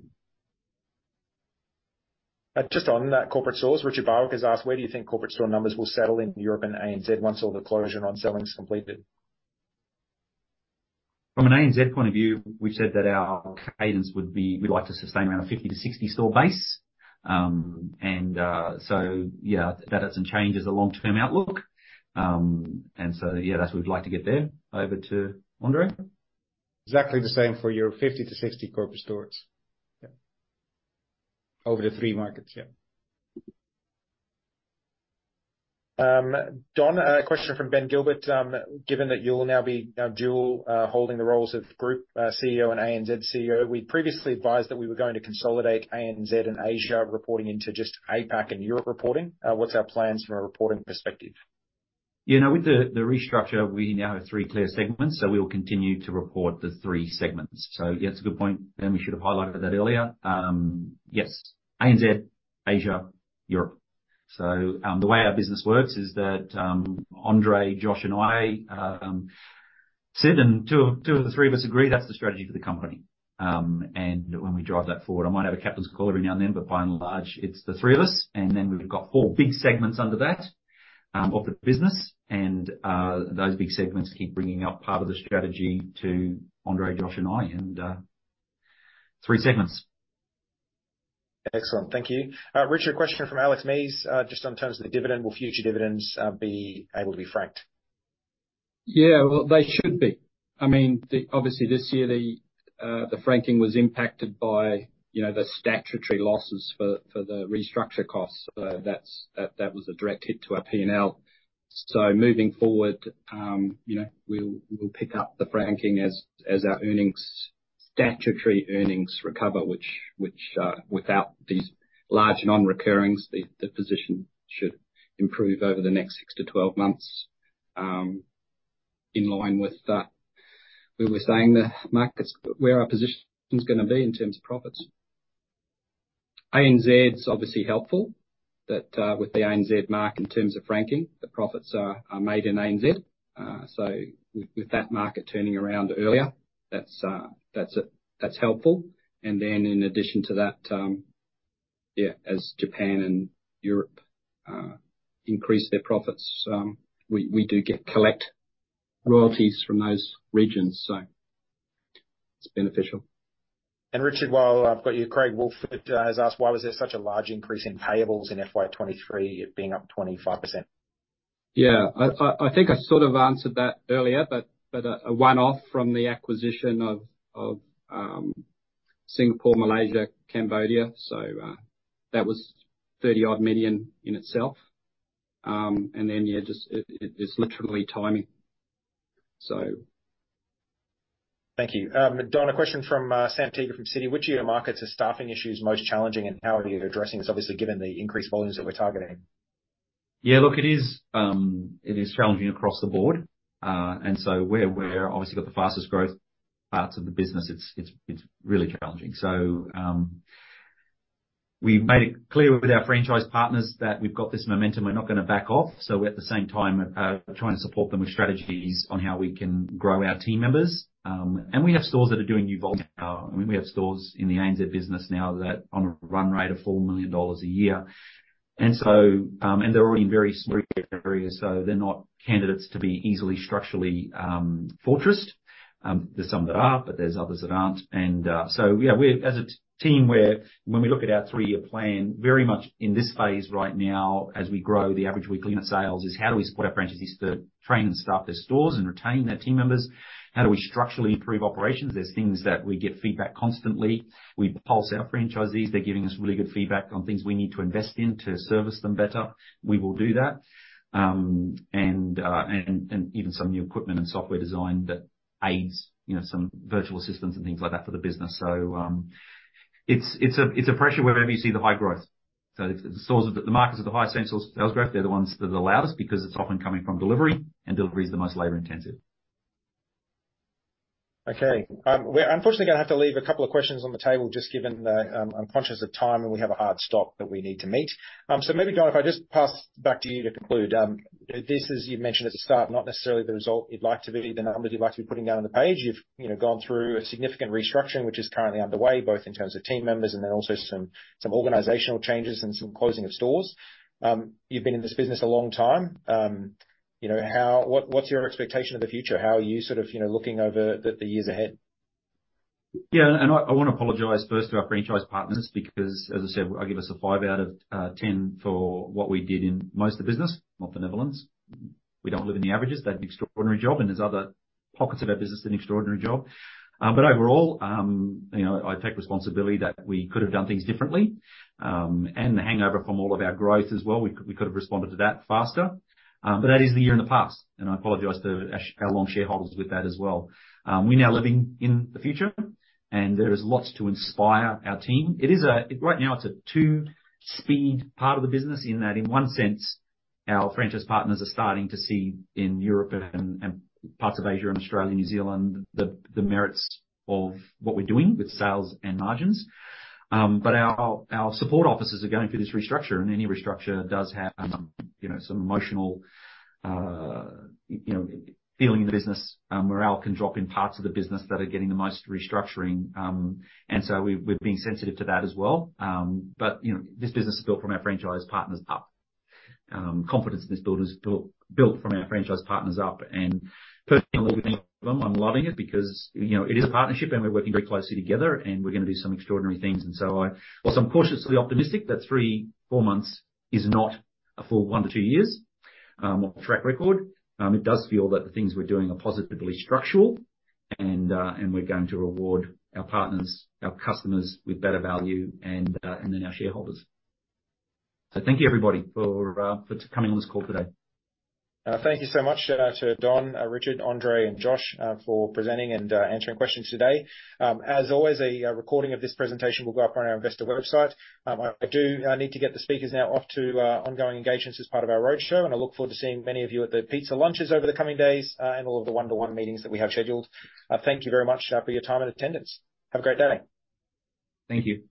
Just on that, corporate stores, Richard Barwick has asked: "Where do you think corporate store numbers will settle in Europe and ANZ, once all the closure and onselling is completed? From an ANZ point of view, we've said that our cadence would be, we'd like to sustain around a 50 to 60 store base. That doesn't change as a long-term outlook. That's we'd like to get there. Over to Andre? Exactly the same for Europe, 50-60 corporate stores. Yeah. Over the 3 markets, yeah. Don, a question from Ben Gilbert: "Given that you'll now be dual holding the roles of Group CEO and ANZ CEO, we previously advised that we were going to consolidate ANZ and Asia, reporting into just APAC and Europe reporting. What's our plans from a reporting perspective? Yeah, no, with the, the restructure, we now have three clear segments, we will continue to report the three segments. Yeah, that's a good point, Ben. We should have highlighted that earlier. Yes, ANZ, Asia, Europe. The way our business works is that Andre, Josh, and I said, and two of the three of us agree that's the strategy for the company. When we drive that forward, I might have a captain's call every now and then, but by and large, it's the three of us, and then we've got four big segments under that of the business. Those big segments keep bringing up part of the strategy to Andre, Josh and I, three segments. Excellent. Thank you. Richard, a question from Alex Mees, just on terms of the dividend. Will future dividends be able to be franked? Yeah, well, they should be. I mean, the-- obviously, this year, the franking was impacted by the statutory losses for, for the restructure costs. That's, that, that was a direct hit to our P&L. Moving forward we'll, we'll pick up the franking as, as our earnings, statutory earnings recover, which, which without these large non-reoccurring, the, the position should improve over the next 6-12 months. In line with, we were saying the markets, where our position is gonna be in terms of profits. ANZ is obviously helpful, that with the ANZ market in terms of franking, the profits are, are made in ANZ. With, with that market turning around earlier, that's, that's, that's helpful. In addition to that, yeah, as Japan and Europe increase their profits, we collect royalties from those regions, so it's beneficial. Richard, while I've got you, Craig Woolford has asked, "Why was there such a large increase in payables in FY23, it being up 25%? Yeah. I, I, I think I sort of answered that earlier, but, but, a one-off from the acquisition of, of Singapore, Malaysia, Cambodia. That was 30-odd million in itself. Then, yeah, just it, it's literally timing. Thank you. Don, a question from Santiago from Citi: "Which of your markets are staffing issues most challenging, and how are you addressing this? Obviously, given the increased volumes that we're targeting. Yeah, look, it is, it is challenging across the board. Where we're obviously got the fastest growth parts of the business, it's, it's, it's really challenging. We've made it clear with our franchise partners that we've got this momentum, we're not gonna back off. At the same time, trying to support them with strategies on how we can grow our team members. We have stores that are doing new volume. I mean, we have stores in the ANZ business now that are on a run rate of 4 million dollars a year. They're all in very small areas, so they're not candidates to be easily structurally fortressed. There's some that are, but there's others that aren't. Yeah, as a team, we're when we look at our three-year plan, very much in this phase right now, as we grow the average weekly unit sales, is how do we support our franchisees to train and staff their stores and retain their team members? How do we structurally improve operations? There's things that we get feedback constantly. We pulse our franchisees. They're giving us really good feedback on things we need to invest in to service them better. We will do that. Even some new equipment and software design that aids some virtual assistants and things like that for the business. It's, it's a, it's a pressure wherever you see the high growth. Markets with the highest sales growth, they're the ones that are the loudest, because it's often coming from delivery and delivery is the most labor-intensive. Okay. We're unfortunately gonna have to leave a couple of questions on the table, just given the, I'm conscious of time, and we have a hard stop that we need to meet. Maybe, Don, if I just pass back to you to conclude. This, as you mentioned at the start, not necessarily the result you'd like to be, the numbers you'd like to be putting down on the page. you've gone through a significant restructuring, which is currently underway, both in terms of team members and also some organizational changes and some closing of stores. You've been in this business a long time. You know, what's your expectation of the future? How are you sort of looking over the years ahead? Yeah, I, I wanna apologize first to our franchise partners, because as I said, I give us a 5 out of 10 for what we did in most of the business, not the Netherlands. We don't live in the averages. They did an extraordinary job, and there's other pockets of our business did an extraordinary job. overall I take responsibility that we could have done things differently, and the hangover from all of our growth as well. We c- we could have responded to that faster. That is the year in the past, and I apologize to ash- our long shareholders with that as well. We're now living in the future, and there is lots to inspire our team. It is right now, it's a two-speed part of the business in that in one sense, our franchise partners are starting to see in Europe and parts of Asia and Australia, New Zealand, the merits of what we're doing with sales and margins. Our support offices are going through this restructure, and any restructure does have some emotional feeling in the business. Morale can drop in parts of the business that are getting the most restructuring. We, we've been sensitive to that as well. You know, this business is built from our franchise partners up. Confidence in this build is built, built from our franchise partners up. Personally, I'm loving it because it is a partnership, and we're working very closely together, and we're gonna do some extraordinary things. whilst I'm cautiously optimistic that three, four months is not a full one to two years, or track record, it does feel that the things we're doing are positively structural and we're going to reward our partners, our customers with better value and then our shareholders. Thank you, everybody, for coming on this call today. Thank you so much to Don, Richard, Andre, and Josh for presenting and answering questions today. As always, a recording of this presentation will go up on our investor website. I do need to get the speakers now off to ongoing engagements as part of our roadshow, and I look forward to seeing many of you at the pizza lunches over the coming days and all of the one-to-one meetings that we have scheduled. Thank you very much for your time and attendance. Have a great day. Thank you.